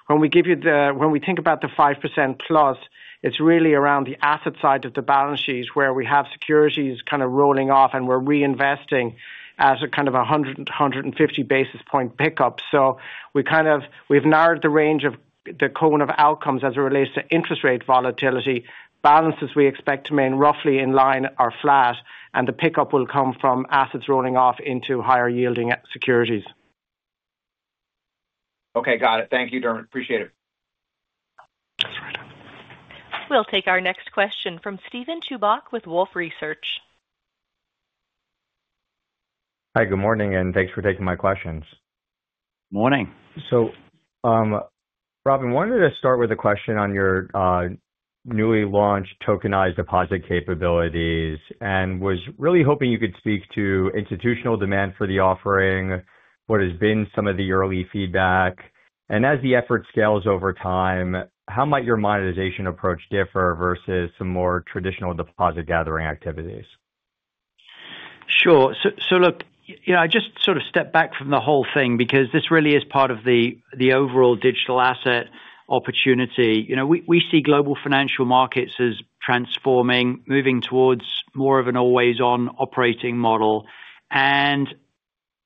When we think about the 5% plus, it's really around the asset side of the balance sheet where we have securities kind of rolling off, and we're reinvesting at kind of 100 basis points-150 basis point pickup. So we've narrowed the range of the cone of outcomes as it relates to interest rate volatility. Balances we expect to remain roughly in line are flat, and the pickup will come from assets rolling off into higher yielding securities. Okay. Got it. Thank you, Dermot. Appreciate it. That's right. We'll take our next question from Steven Chubak with Wolfe Research. Hi. Good morning, and thanks for taking my questions. Morning. So Robin, wanted to start with a question on your newly launched tokenized deposit capabilities and was really hoping you could speak to institutional demand for the offering, what has been some of the early feedback. And as the effort scales over time, how might your monetization approach differ versus some more traditional deposit gathering activities? Sure. So look, I just sort of step back from the whole thing because this really is part of the overall digital asset opportunity. We see global financial markets as transforming, moving towards more of an always-on operating model. And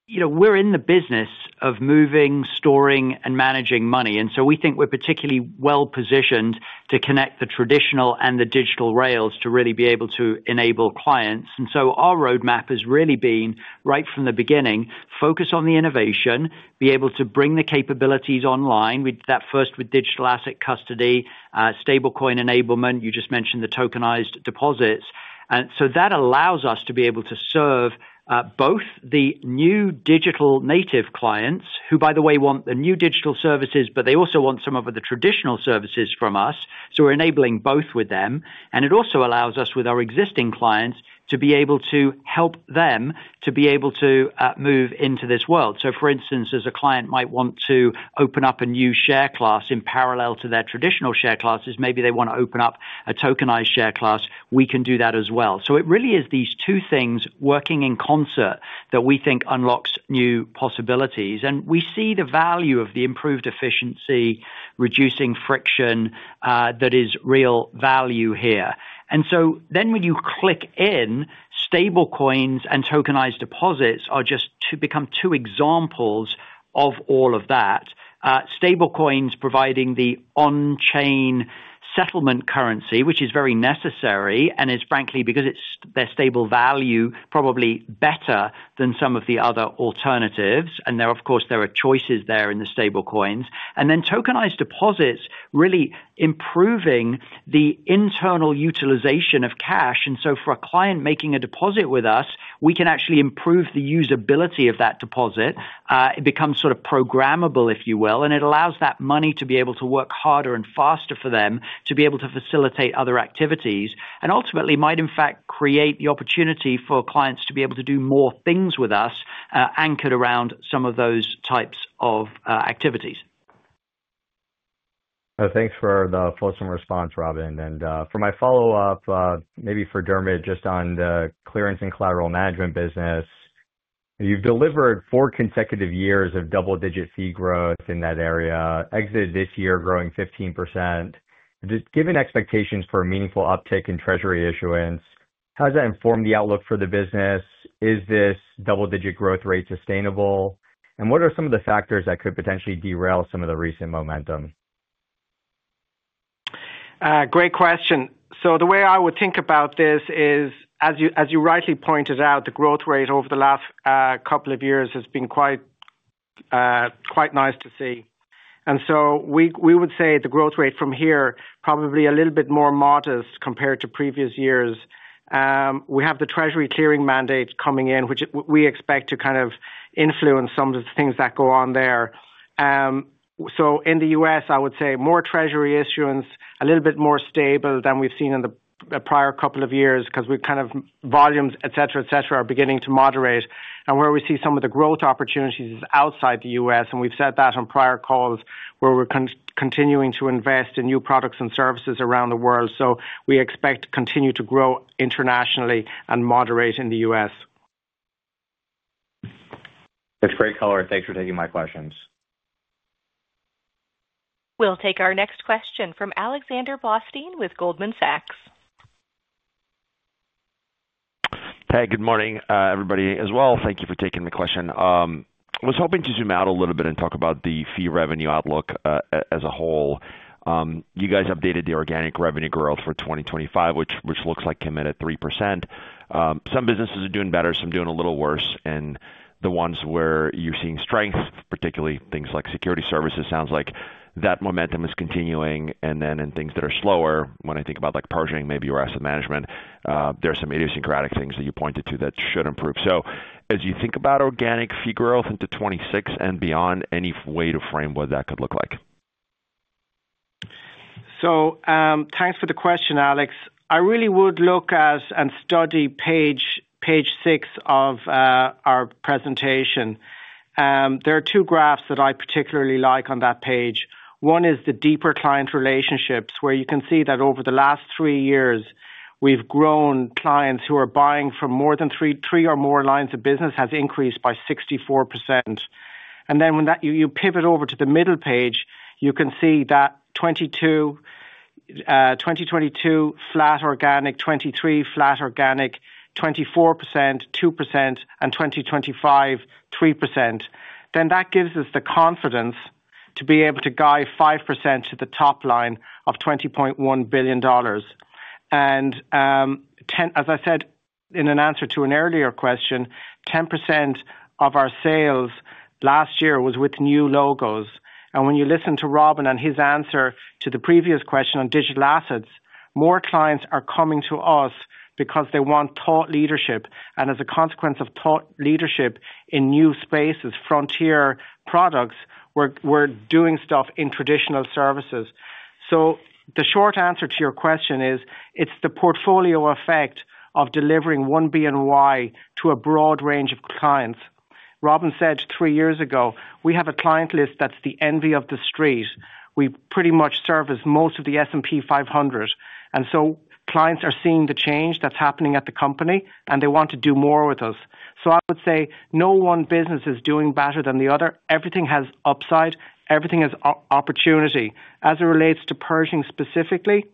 we're in the business of moving, storing, and managing money. And so we think we're particularly well-positioned to connect the traditional and the digital rails to really be able to enable clients. And so our roadmap has really been, right from the beginning, focus on the innovation, be able to bring the capabilities online, that first with digital asset custody, stablecoin enablement. You just mentioned the tokenized deposits. And so that allows us to be able to serve both the new digital native clients, who, by the way, want the new digital services, but they also want some of the traditional services from us. So we're enabling both with them. And it also allows us, with our existing clients, to be able to help them to be able to move into this world. For instance, as a client might want to open up a new share class in parallel to their traditional share classes, maybe they want to open up a tokenized share class, we can do that as well. It really is these two things working in concert that we think unlocks new possibilities. We see the value of the improved efficiency, reducing friction that is real value here. When you click in, stablecoins and tokenized deposits are just two examples of all of that. Stablecoins providing the on-chain settlement currency, which is very necessary and is, frankly, because their stable value probably better than some of the other alternatives. Of course, there are choices there in the stablecoins. Tokenized deposits really improving the internal utilization of cash. And so for a client making a deposit with us, we can actually improve the usability of that deposit. It becomes sort of programmable, if you will, and it allows that money to be able to work harder and faster for them to be able to facilitate other activities. And ultimately, might in fact create the opportunity for clients to be able to do more things with us anchored around some of those types of activities. Thanks for the fulsome response, Robin. And for my follow-up, maybe for Dermot, just on the clearance and collateral management business, you've delivered four consecutive years of double-digit fee growth in that area, exited this year growing 15%. Given expectations for a meaningful uptick in treasury issuance, how has that informed the outlook for the business? Is this double-digit growth rate sustainable? What are some of the factors that could potentially derail some of the recent momentum? Great question. The way I would think about this is, as you rightly pointed out, the growth rate over the last couple of years has been quite nice to see. We would say the growth rate from here probably a little bit more modest compared to previous years. We have the treasury clearing mandate coming in, which we expect to kind of influence some of the things that go on there. In the U.S., I would say more treasury issuance, a little bit more stable than we've seen in the prior couple of years because, you know, volumes, etc., etc., are beginning to moderate. Where we see some of the growth opportunities is outside the U.S. And we've said that on prior calls where we're continuing to invest in new products and services around the world. So we expect to continue to grow internationally and moderate in the US. That's great color. Thanks for taking my questions. We'll take our next question from Alexander Blostein with Goldman Sachs. Hi. Good morning, everybody, as well. Thank you for taking the question. I was hoping to zoom out a little bit and talk about the fee revenue outlook as a whole. You guys updated the organic revenue growth for 2025, which looks like came in at 3%. Some businesses are doing better, some doing a little worse. And the ones where you're seeing strength, particularly things like security services, sounds like that momentum is continuing. Then in things that are slower, when I think about pricing, maybe your asset management, there are some idiosyncratic things that you pointed to that should improve. As you think about organic fee growth into 2026 and beyond, any way to frame what that could look like? Thanks for the question, Alex. I really would look at and study page six of our presentation. There are two graphs that I particularly like on that page. One is the deeper client relationships where you can see that over the last three years, we've grown clients who are buying from more than three or more lines of business has increased by 64%. Then when you pivot over to the middle page, you can see that 2022, flat organic, 2023, flat organic, 2024, 2%, and 2025, 3%. Then that gives us the confidence to be able to guide 5% to the top line of $20.1 billion. And as I said in an answer to an earlier question, 10% of our sales last year was with new logos. And when you listen to Robin and his answer to the previous question on digital assets, more clients are coming to us because they want thought leadership. And as a consequence of thought leadership in new spaces, frontier products, we're doing stuff in traditional services. So the short answer to your question is it's the portfolio effect of delivering BNY to a broad range of clients. Robin said three years ago, we have a client list that's the envy of the street. We pretty much service most of the S&P 500. And so clients are seeing the change that's happening at the company, and they want to do more with us. So I would say no one business is doing better than the other. Everything has upside. Everything has opportunity. As it relates to Pershing specifically,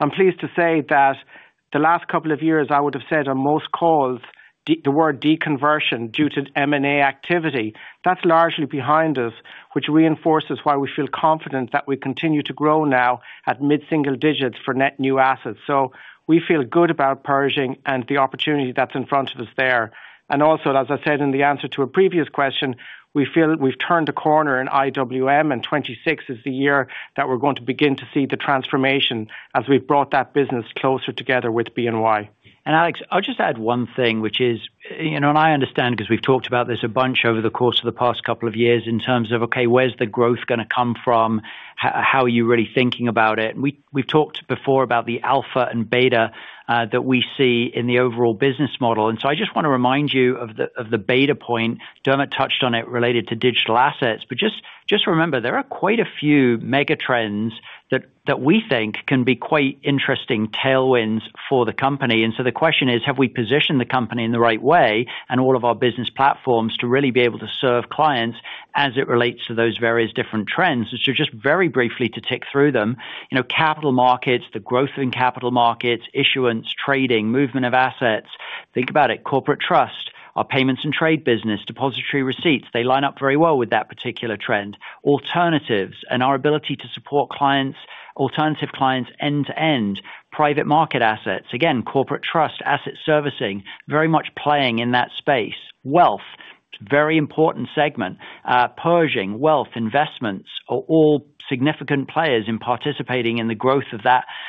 I'm pleased to say that the last couple of years, I would have said on most calls, the word deconversion due to M&A activity, that's largely behind us, which reinforces why we feel confident that we continue to grow now at mid-single digits for net new assets. So we feel good about Pershing and the opportunity that's in front of us there. And also, as I said in the answer to a previous question, we feel we've turned a corner in IWM, and 2026 is the year that we're going to begin to see the transformation as we've brought that business closer together with BNY. And Alex, I'll just add one thing, which is, and I understand because we've talked about this a bunch over the course of the past couple of years in terms of, okay, where's the growth going to come from? How are you really thinking about it? We've talked before about the alpha and beta that we see in the overall business model. And so I just want to remind you of the beta point. Dermot touched on it related to digital assets, but just remember there are quite a few mega trends that we think can be quite interesting tailwinds for the company. And so the question is, have we positioned the company in the right way and all of our business platforms to really be able to serve clients as it relates to those various different trends? So just very briefly to tick through them, capital markets, the growth in capital markets, issuance, trading, movement of assets. Think about it, corporate trust, our payments and trade business, depository receipts, they line up very well with that particular trend. Alternatives and our ability to support clients, alternative clients end-to-end, private market assets, again, corporate trust, asset servicing, very much playing in that space. Wealth, very important segment. Pershing, wealth, investments are all significant players in participating in the growth of that mega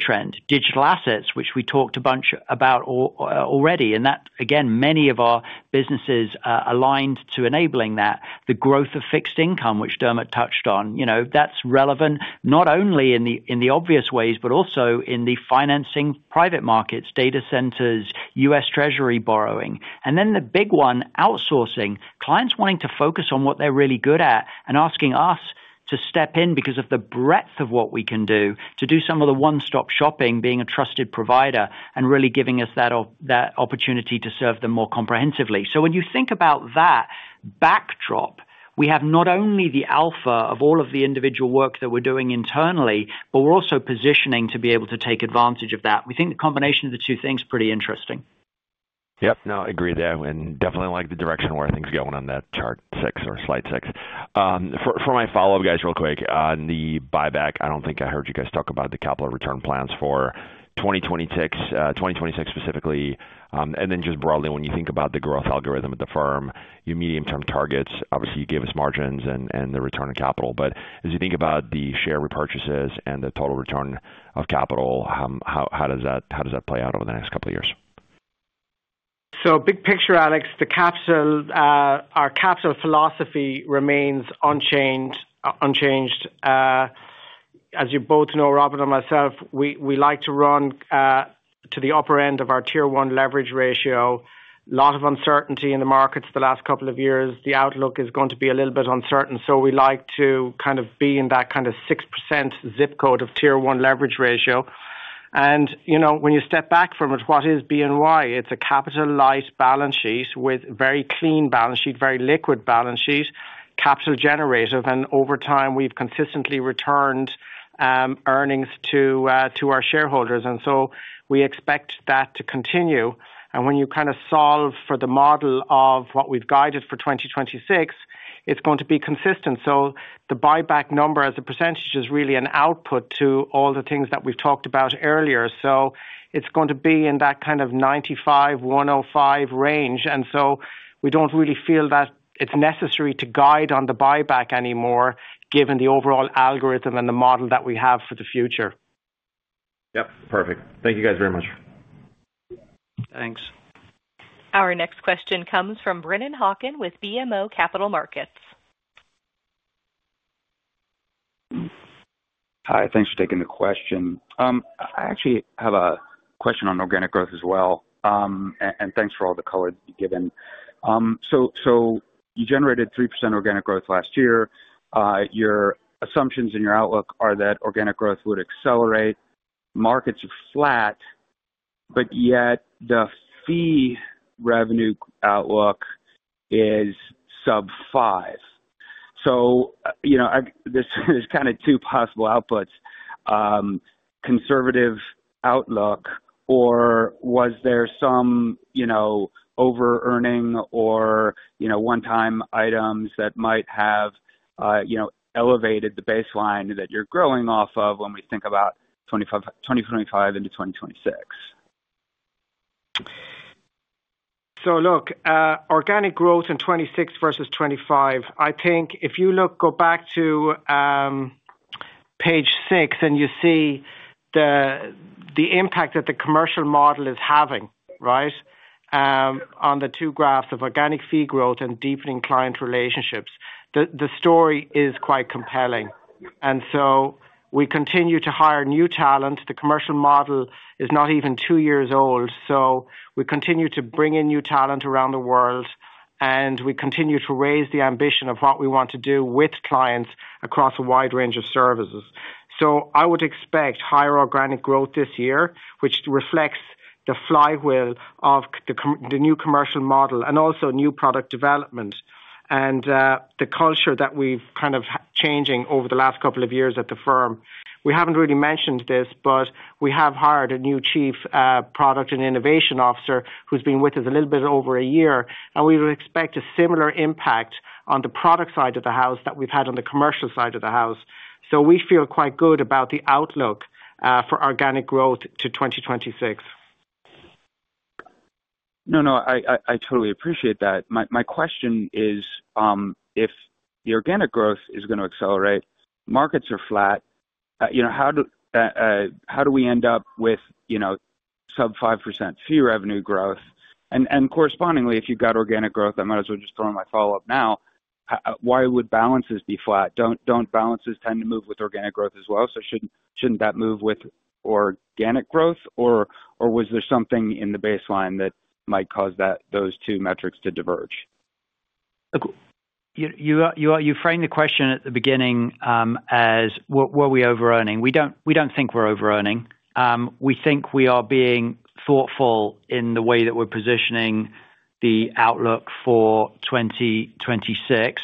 trend. Digital assets, which we talked a bunch about already, and that, again, many of our businesses aligned to enabling that. The growth of fixed income, which Dermot touched on, that's relevant not only in the obvious ways, but also in the financing private markets, data centers, U.S. Treasury borrowing. And then the big one, outsourcing, clients wanting to focus on what they're really good at and asking us to step in because of the breadth of what we can do to do some of the one-stop shopping, being a trusted provider and really giving us that opportunity to serve them more comprehensively. So when you think about that backdrop, we have not only the alpha of all of the individual work that we're doing internally, but we're also positioning to be able to take advantage of that. We think the combination of the two things is pretty interesting. Yep. No, I agree with that. And definitely like the direction where things going on that chart six or slide six. For my follow-up, guys, real quick on the buyback, I don't think I heard you guys talk about the capital return plans for 2026, 2026 specifically. And then just broadly, when you think about the growth algorithm at the firm, your medium-term targets, obviously, you gave us margins and the return of capital. But as you think about the share repurchases and the total return of capital, how does that play out over the next couple of years? So big picture, Alex, our capital philosophy remains unchanged. As you both know, Robin and myself, we like to run to the upper end of our Tier 1 leverage ratio. A lot of uncertainty in the markets the last couple of years. The outlook is going to be a little bit uncertain. So we like to kind of be in that kind of 6% zip code of tier one leverage ratio. And when you step back from it, what is BNY? It's a capital light balance sheet with very clean balance sheet, very liquid balance sheet, capital generative. Over time, we've consistently returned earnings to our shareholders. And so we expect that to continue. And when you kind of solve for the model of what we've guided for 2026, it's going to be consistent. So the buyback number as a percentage is really an output to all the things that we've talked about earlier. So it's going to be in that kind of 95%-105% range. And so we don't really feel that it's necessary to guide on the buyback anymore given the overall algorithm and the model that we have for the future. Yep. Perfect. Thank you guys very much. Thanks. Our next question comes from Brennan Hawken with BMO Capital Markets. Hi. Thanks for taking the question. I actually have a question on organic growth as well. And thanks for all the color given. So you generated 3% organic growth last year. Your assumptions and your outlook are that organic growth would accelerate. Markets are flat, but yet the fee revenue outlook is sub-5%. So this is kind of two possible outputs. Conservative outlook, or was there some over-earning or one-time items that might have elevated the baseline that you're growing off of when we think about 2025 into 2026? So look, organic growth in 2026 versus 2025, I think if you go back to page six and you see the impact that the commercial model is having, right, on the two graphs of organic fee growth and deepening client relationships, the story is quite compelling. And so we continue to hire new talent. The commercial model is not even two years old. So we continue to bring in new talent around the world, and we continue to raise the ambition of what we want to do with clients across a wide range of services. So I would expect higher organic growth this year, which reflects the flywheel of the new commercial model and also new product development and the culture that we've kind of changing over the last couple of years at the firm. We haven't really mentioned this, but we have hired a new Chief Product and Innovation Officer who's been with us a little bit over a year. And we would expect a similar impact on the product side of the house that we've had on the commercial side of the house. So we feel quite good about the outlook for organic growth to 2026. No, no. I totally appreciate that. My question is, if the organic growth is going to accelerate, markets are flat, how do we end up with sub 5% fee revenue growth? And correspondingly, if you've got organic growth, I might as well just throw in my follow-up now. Why would balances be flat? Don't balances tend to move with organic growth as well? So shouldn't that move with organic growth? Or was there something in the baseline that might cause those two metrics to diverge? You framed the question at the beginning as, were we over-earning? We don't think we're over-earning. We think we are being thoughtful in the way that we're positioning the outlook for 2026.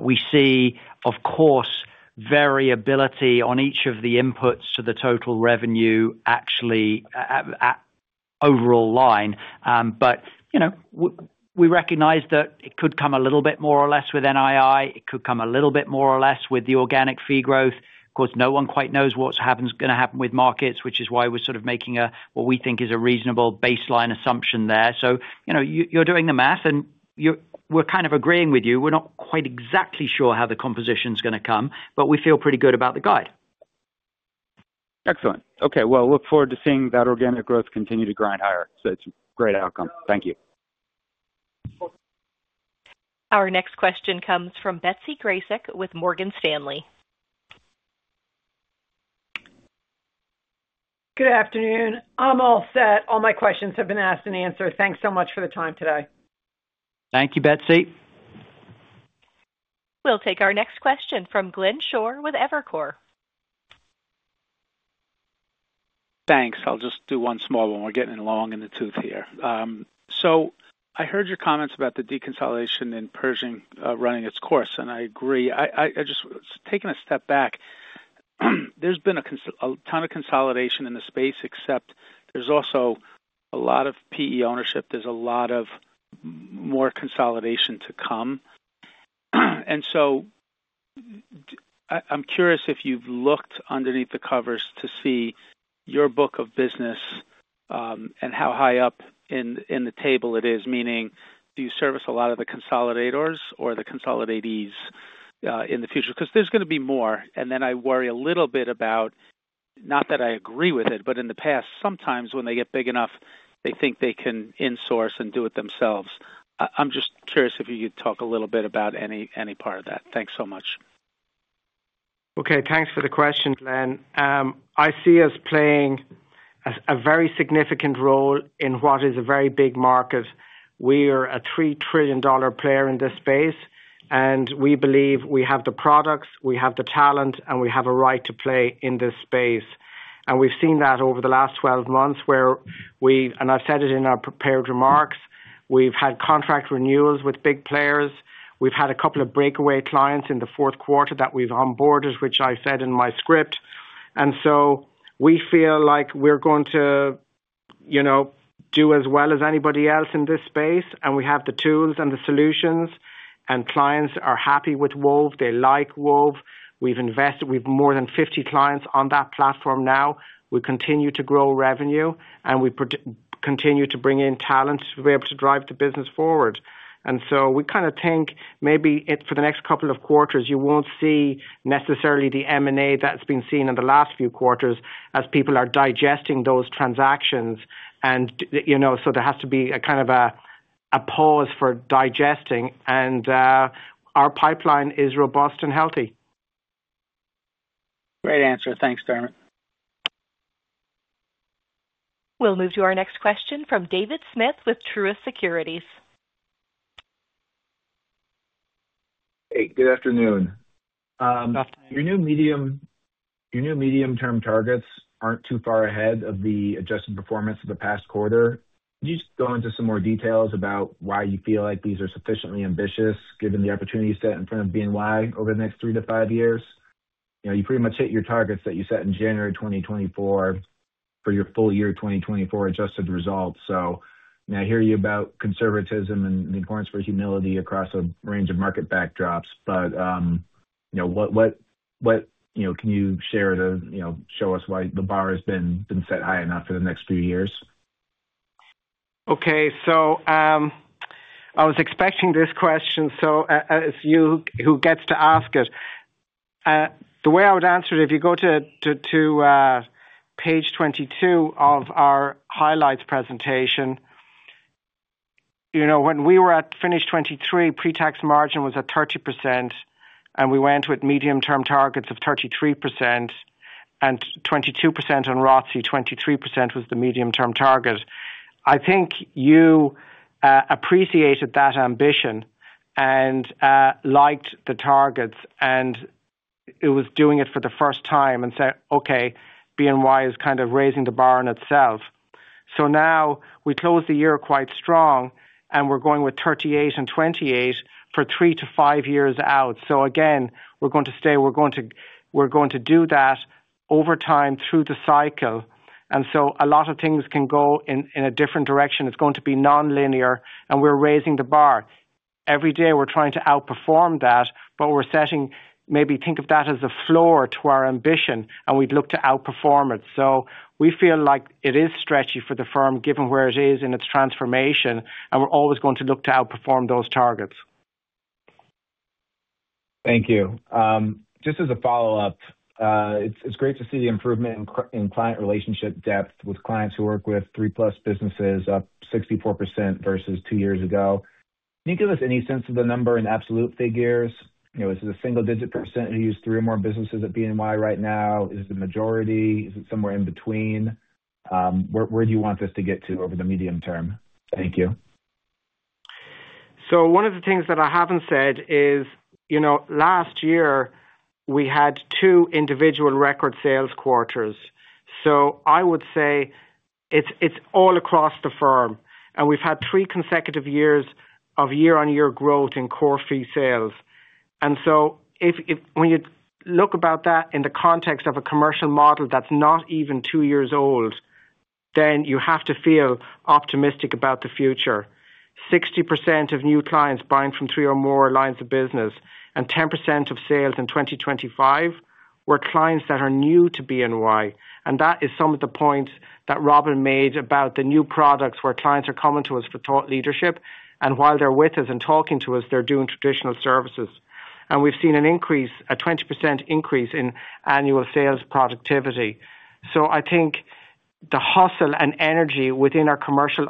We see, of course, variability on each of the inputs to the total revenue actually overall line. But we recognize that it could come a little bit more or less with NII. It could come a little bit more or less with the organic fee growth. Of course, no one quite knows what's going to happen with markets, which is why we're sort of making what we think is a reasonable baseline assumption there. So you're doing the math, and we're kind of agreeing with you. We're not quite exactly sure how the composition is going to come, but we feel pretty good about the guide. Excellent. Okay. Well, look forward to seeing that organic growth continue to grind higher. So it's a great outcome. Thank you. Our next question comes from Betsy Graseck with Morgan Stanley. Good afternoon. I'm all set. All my questions have been asked and answered. Thanks so much for the time today. Thank you, Betsy. We'll take our next question from Glenn Schorr with Evercore. Thanks. I'll just do one small one. We're getting long in the tooth here. So I heard your comments about the deconversion and purging running its course, and I agree. Just taking a step back, there's been a ton of consolidation in the space, except there's also a lot of PE ownership. There's a lot more consolidation to come. And so I'm curious if you've looked underneath the covers to see your book of business and how high up in the table it is, meaning do you service a lot of the consolidators or the consolidatees in the future? Because there's going to be more. And then I worry a little bit about, not that I agree with it, but in the past, sometimes when they get big enough, they think they can insource and do it themselves. I'm just curious if you could talk a little bit about any part of that. Thanks so much. Okay. Thanks for the question, Glenn. I see us playing a very significant role in what is a very big market. We are a $3 trillion player in this space, and we believe we have the products, we have the talent, and we have a right to play in this space. And we've seen that over the last 12 months where, and I've said it in our prepared remarks, we've had contract renewals with big players. We've had a couple of breakaway clients in the fourth quarter that we've onboarded, which I said in my script. And so we feel like we're going to do as well as anybody else in this space, and we have the tools and the solutions, and clients are happy with Wove. They like Wove. We've invested. We've more than 50 clients on that platform now. We continue to grow revenue, and we continue to bring in talent to be able to drive the business forward. And so we kind of think maybe for the next couple of quarters, you won't see necessarily the M&A that's been seen in the last few quarters as people are digesting those transactions. And so there has to be a kind of a pause for digesting, and our pipeline is robust and healthy. Great answer. Thanks, Dermot. We'll move to our next question from David Smith with Truist Securities. Hey, good afternoon. Good afternoon. Your new medium-term targets aren't too far ahead of the adjusted performance of the past quarter. Could you just go into some more details about why you feel like these are sufficiently ambitious given the opportunities set in front of BNY over the next three to five years? You pretty much hit your targets that you set in January 2024 for your full year 2024 adjusted results. So I hear you about conservatism and the importance for humility across a range of market backdrops, but what can you share to show us why the bar has been set high enough for the next few years? Okay. So I was expecting this question. So as you who gets to ask it, the way I would answer it, if you go to page 22 of our highlights presentation, when we were at end of 2023, pre-tax margin was at 30%, and we went with medium-term targets of 33%, and 22% on ROTCE, 23% was the medium-term target. I think you appreciated that ambition and liked the targets, and it was doing it for the first time and said, "Okay, BNY is kind of raising the bar on itself." So now we close the year quite strong, and we're going with 38% and 28% for three to five years out. So again, we're going to stay. We're going to do that over time through the cycle. And so a lot of things can go in a different direction. It's going to be non-linear, and we're raising the bar. Every day, we're trying to outperform that, but we're setting maybe think of that as a floor to our ambition, and we'd look to outperform it. So we feel like it is stretchy for the firm given where it is in its transformation, and we're always going to look to outperform those targets. Thank you. Just as a follow-up, it's great to see the improvement in client relationship depth with clients who work with three-plus businesses, up 64% versus two years ago. Can you give us any sense of the number in absolute figures? Is it a single-digit percentage? Three or more businesses at BNY right now? Is it the majority? Is it somewhere in between? Where do you want this to get to over the medium term? Thank you. So one of the things that I haven't said is last year, we had two individual record sales quarters. So I would say it's all across the firm, and we've had three consecutive years of year-on-year growth in core fee sales. And so when you look about that in the context of a commercial model that's not even two years old, then you have to feel optimistic about the future. 60% of new clients buying from three or more lines of business, and 10% of sales in 2025 were clients that are new to BNY. That is some of the points that Robin made about the new products where clients are coming to us for thought leadership, and while they're with us and talking to us, they're doing traditional services. We've seen a 20% increase in annual sales productivity. I think the hustle and energy within our commercial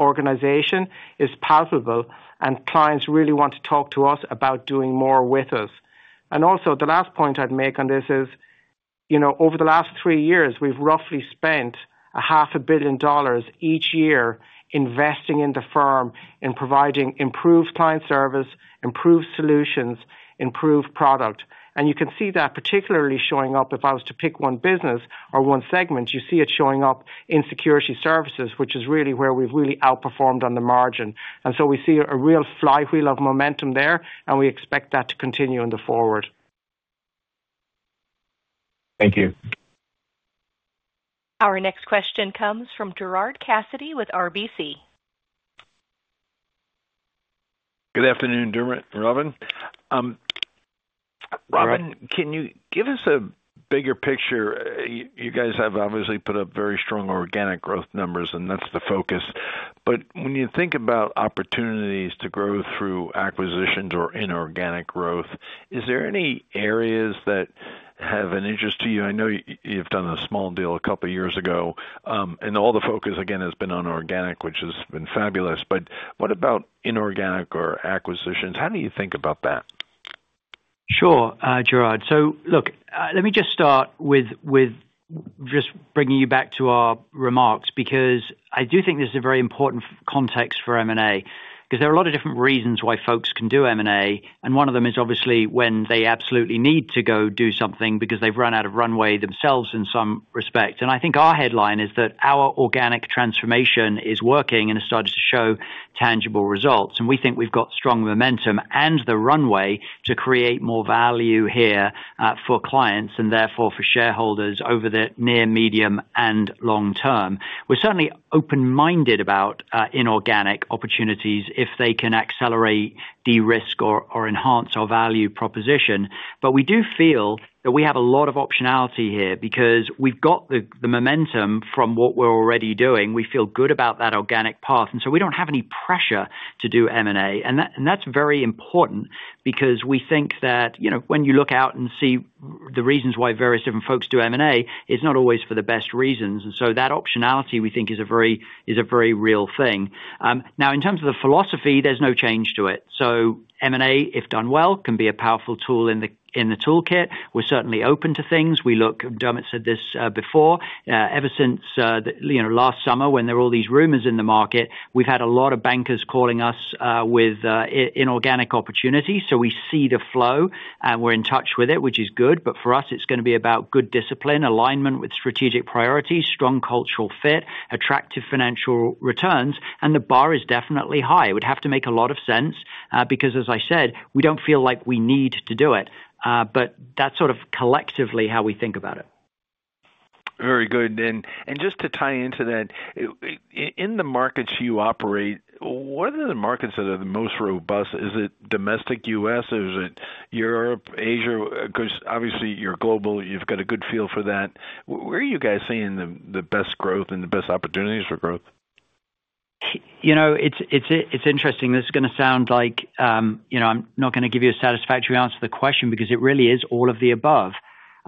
organization is palpable, and clients really want to talk to us about doing more with us. Also, the last point I'd make on this is over the last three years, we've roughly spent $500 million each year investing in the firm and providing improved client service, improved solutions, improved product. And you can see that particularly showing up if I was to pick one business or one segment, you see it showing up in security services, which is really where we've really outperformed on the margin. And so we see a real flywheel of momentum there, and we expect that to continue going forward. Thank you. Our next question comes from Gerard Cassidy with RBC. Good afternoon, Robin. Robin, can you give us a bigger picture? You guys have obviously put up very strong organic growth numbers, and that's the focus. But when you think about opportunities to grow through acquisitions or inorganic growth, is there any areas that have an interest to you? I know you've done a small deal a couple of years ago, and all the focus, again, has been on organic, which has been fabulous. But what about inorganic or acquisitions? How do you think about that? Sure, Gerard, so look, let me just start with just bringing you back to our remarks because I do think this is a very important context for M&A because there are a lot of different reasons why folks can do M&A, and one of them is obviously when they absolutely need to go do something because they've run out of runway themselves in some respect, and I think our headline is that our organic transformation is working and has started to show tangible results, and we think we've got strong momentum and the runway to create more value here for clients and therefore for shareholders over the near, medium, and long term. We're certainly open-minded about inorganic opportunities if they can accelerate, de-risk, or enhance our value proposition. But we do feel that we have a lot of optionality here because we've got the momentum from what we're already doing. We feel good about that organic path. And so we don't have any pressure to do M&A. And that's very important because we think that when you look out and see the reasons why various different folks do M&A, it's not always for the best reasons. And so that optionality, we think, is a very real thing. Now, in terms of the philosophy, there's no change to it. So M&A, if done well, can be a powerful tool in the toolkit. We're certainly open to things. We look, and Dermot said this before, ever since last summer when there were all these rumors in the market, we've had a lot of bankers calling us with inorganic opportunities. So we see the flow, and we're in touch with it, which is good. But for us, it's going to be about good discipline, alignment with strategic priorities, strong cultural fit, attractive financial returns, and the bar is definitely high. It would have to make a lot of sense because, as I said, we don't feel like we need to do it. But that's sort of collectively how we think about it. Very good. And just to tie into that, in the markets you operate, what are the markets that are the most robust? Is it domestic U.S.? Is it Europe, Asia? Because obviously, you're global. You've got a good feel for that. Where are you guys seeing the best growth and the best opportunities for growth? It's interesting. This is going to sound like I'm not going to give you a satisfactory answer to the question because it really is all of the above.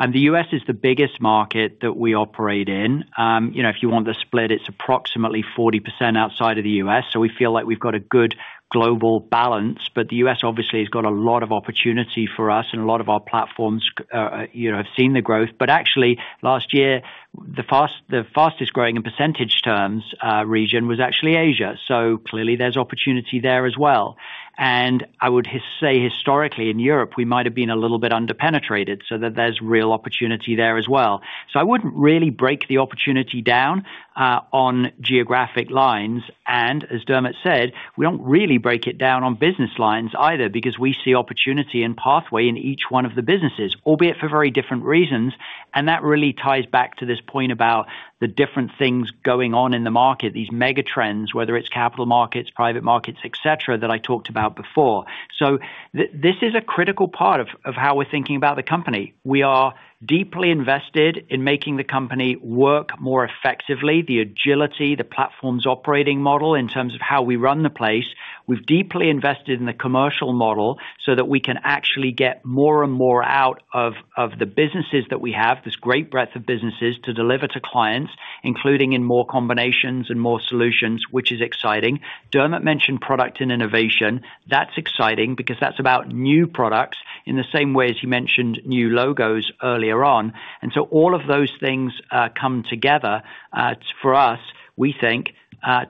The U.S. is the biggest market that we operate in. If you want the split, it's approximately 40% outside of the U.S. So we feel like we've got a good global balance. But the U.S. obviously has got a lot of opportunity for us, and a lot of our platforms have seen the growth. But actually, last year, the fastest growing in percentage terms region was actually Asia. So clearly, there's opportunity there as well. And I would say historically in Europe, we might have been a little bit underpenetrated. So there's real opportunity there as well. So I wouldn't really break the opportunity down on geographic lines. And as Dermot said, we don't really break it down on business lines either because we see opportunity and pathway in each one of the businesses, albeit for very different reasons. And that really ties back to this point about the different things going on in the market, these mega trends, whether it's capital markets, private markets, etc., that I talked about before. So this is a critical part of how we're thinking about the company. We are deeply invested in making the company work more effectively, the agility, the platform's operating model in terms of how we run the place. We've deeply invested in the commercial model so that we can actually get more and more out of the businesses that we have, this great breadth of businesses to deliver to clients, including in more combinations and more solutions, which is exciting. Dermot mentioned product and innovation. That's exciting because that's about new products in the same way as he mentioned new logos earlier on, and so all of those things come together for us, we think,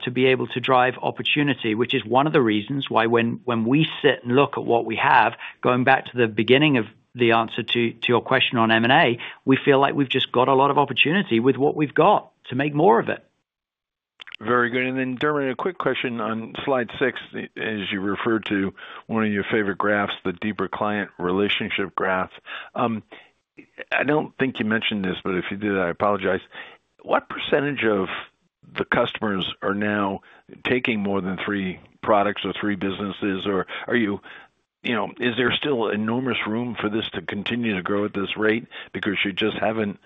to be able to drive opportunity, which is one of the reasons why when we sit and look at what we have, going back to the beginning of the answer to your question on M&A, we feel like we've just got a lot of opportunity with what we've got to make more of it. Very good, and then, Dermot, a quick question on slide six as you refer to one of your favorite graphs, the deeper client relationship graph. I don't think you mentioned this, but if you did, I apologize. What percentage of the customers are now taking more than three products or three businesses? Or is there still enormous room for this to continue to grow at this rate because you just haven't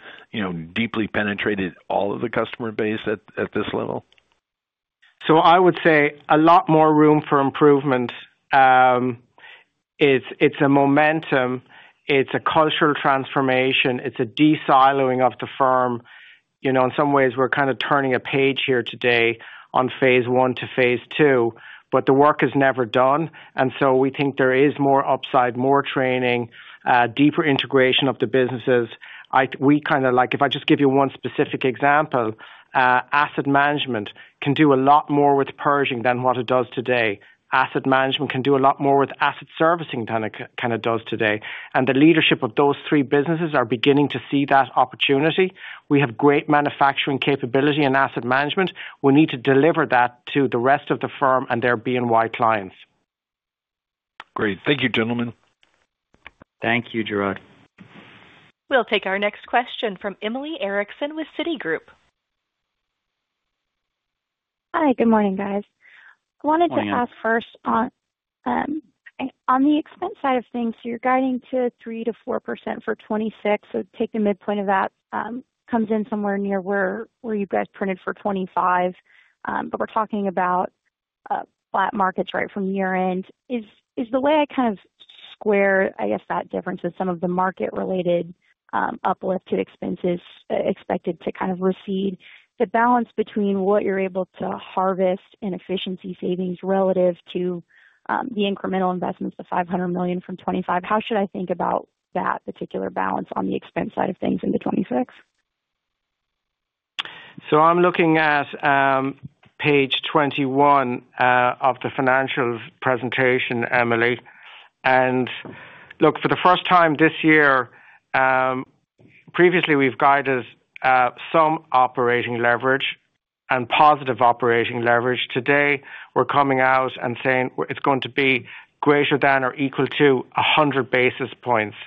deeply penetrated all of the customer base at this level? So I would say a lot more room for improvement. It's a momentum. It's a cultural transformation. It's a de-siloing of the firm. In some ways, we're kind of turning a page here today on phase one to phase two, but the work is never done. And so we think there is more upside, more training, deeper integration of the businesses. We kind of like if I just give you one specific example, asset management can do a lot more with Pershing than what it does today. Asset management can do a lot more with asset servicing than it kind of does today. And the leadership of those three businesses are beginning to see that opportunity. We have great manufacturing capability in asset management. We need to deliver that to the rest of the firm and their BNY clients. Great. Thank you, gentlemen. Thank you, Gerard. We'll take our next question from Emily Erickson with Citigroup. Hi. Good morning, guys. I wanted to ask first on the expense side of things. You're guiding to 3%-4% for 2026. So take the midpoint of that. Comes in somewhere near where you guys printed for 2025. But we're talking about flat markets right from year-end. Is the way I kind of square, I guess, that difference with some of the market-related uplifted expenses expected to kind of recede the balance between what you're able to harvest in efficiency savings relative to the incremental investments, the $500 million from 2025? How should I think about that particular balance on the expense side of things in the 2026? I'm looking at page 21 of the financial presentation, Emily. Look, for the first time this year, previously, we've guided some operating leverage and positive operating leverage. Today, we're coming out and saying it's going to be greater than or equal to 100 basis points.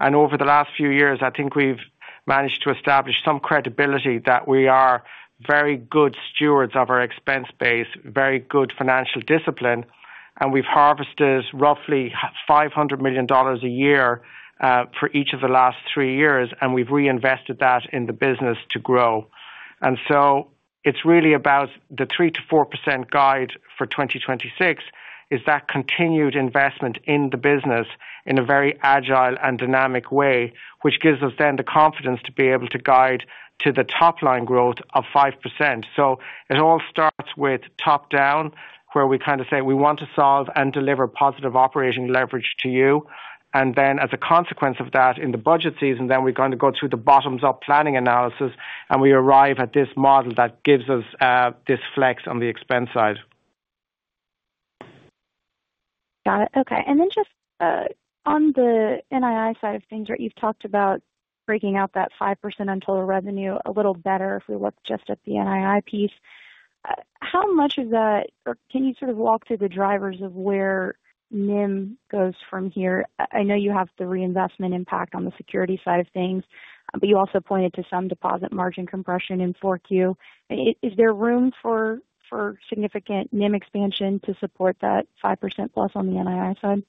Over the last few years, I think we've managed to establish some credibility that we are very good stewards of our expense base, very good financial discipline. We've harvested roughly $500 million a year for each of the last three years, and we've reinvested that in the business to grow. It's really about the 3%-4% guide for 2026. That continued investment in the business in a very agile and dynamic way gives us then the confidence to be able to guide to the top-line growth of 5%. So it all starts with top-down, where we kind of say we want to solve and deliver positive operating leverage to you. And then, as a consequence of that in the budget season, then we're going to go through the bottoms-up planning analysis, and we arrive at this model that gives us this flex on the expense side. Got it. Okay. And then just on the NII side of things, right, you've talked about breaking out that 5% on total revenue a little better if we look just at the NII piece. How much of that, or can you sort of walk through the drivers of where NIM goes from here? I know you have the reinvestment impact o the security side of things, but you also pointed to some deposit margin compression in 4Q. Is there room for significant NIM expansion to support that 5%+ on the NII side?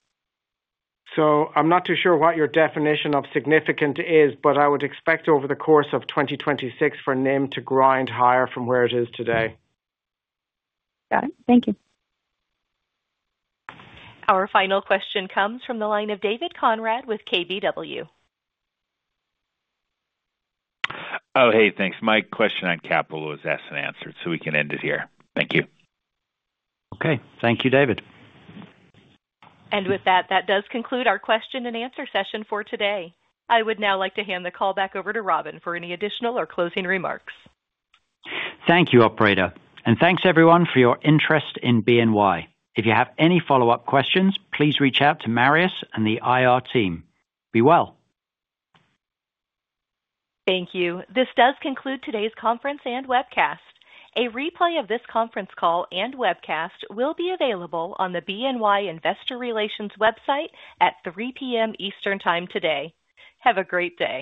So I'm not too sure what your definition of significant is, but I would expect over the course of 2026 for NIM to grind higher from where it is today. Got it. Thank you. Our final question comes from the line of David Konrad with KBW. Oh, hey, thanks. My question on capital was asked and answered, so we can end it here. Thank you. Okay. Thank you, David. And with that, that does conclude our question and answer session for today. I would now like to hand the call back over to Robin for any additional or closing remarks. Thank you, Operator. And thanks, everyone, for your interest in BNY. If you have any follow-up questions, please reach out to Marius and the IR team. Be well. Thank you. This does conclude today's conference and webcast. A replay of this conference call and webcast will be available on the BNY Investor Relations website at 3:00 P.M. Eastern Time today. Have a great day.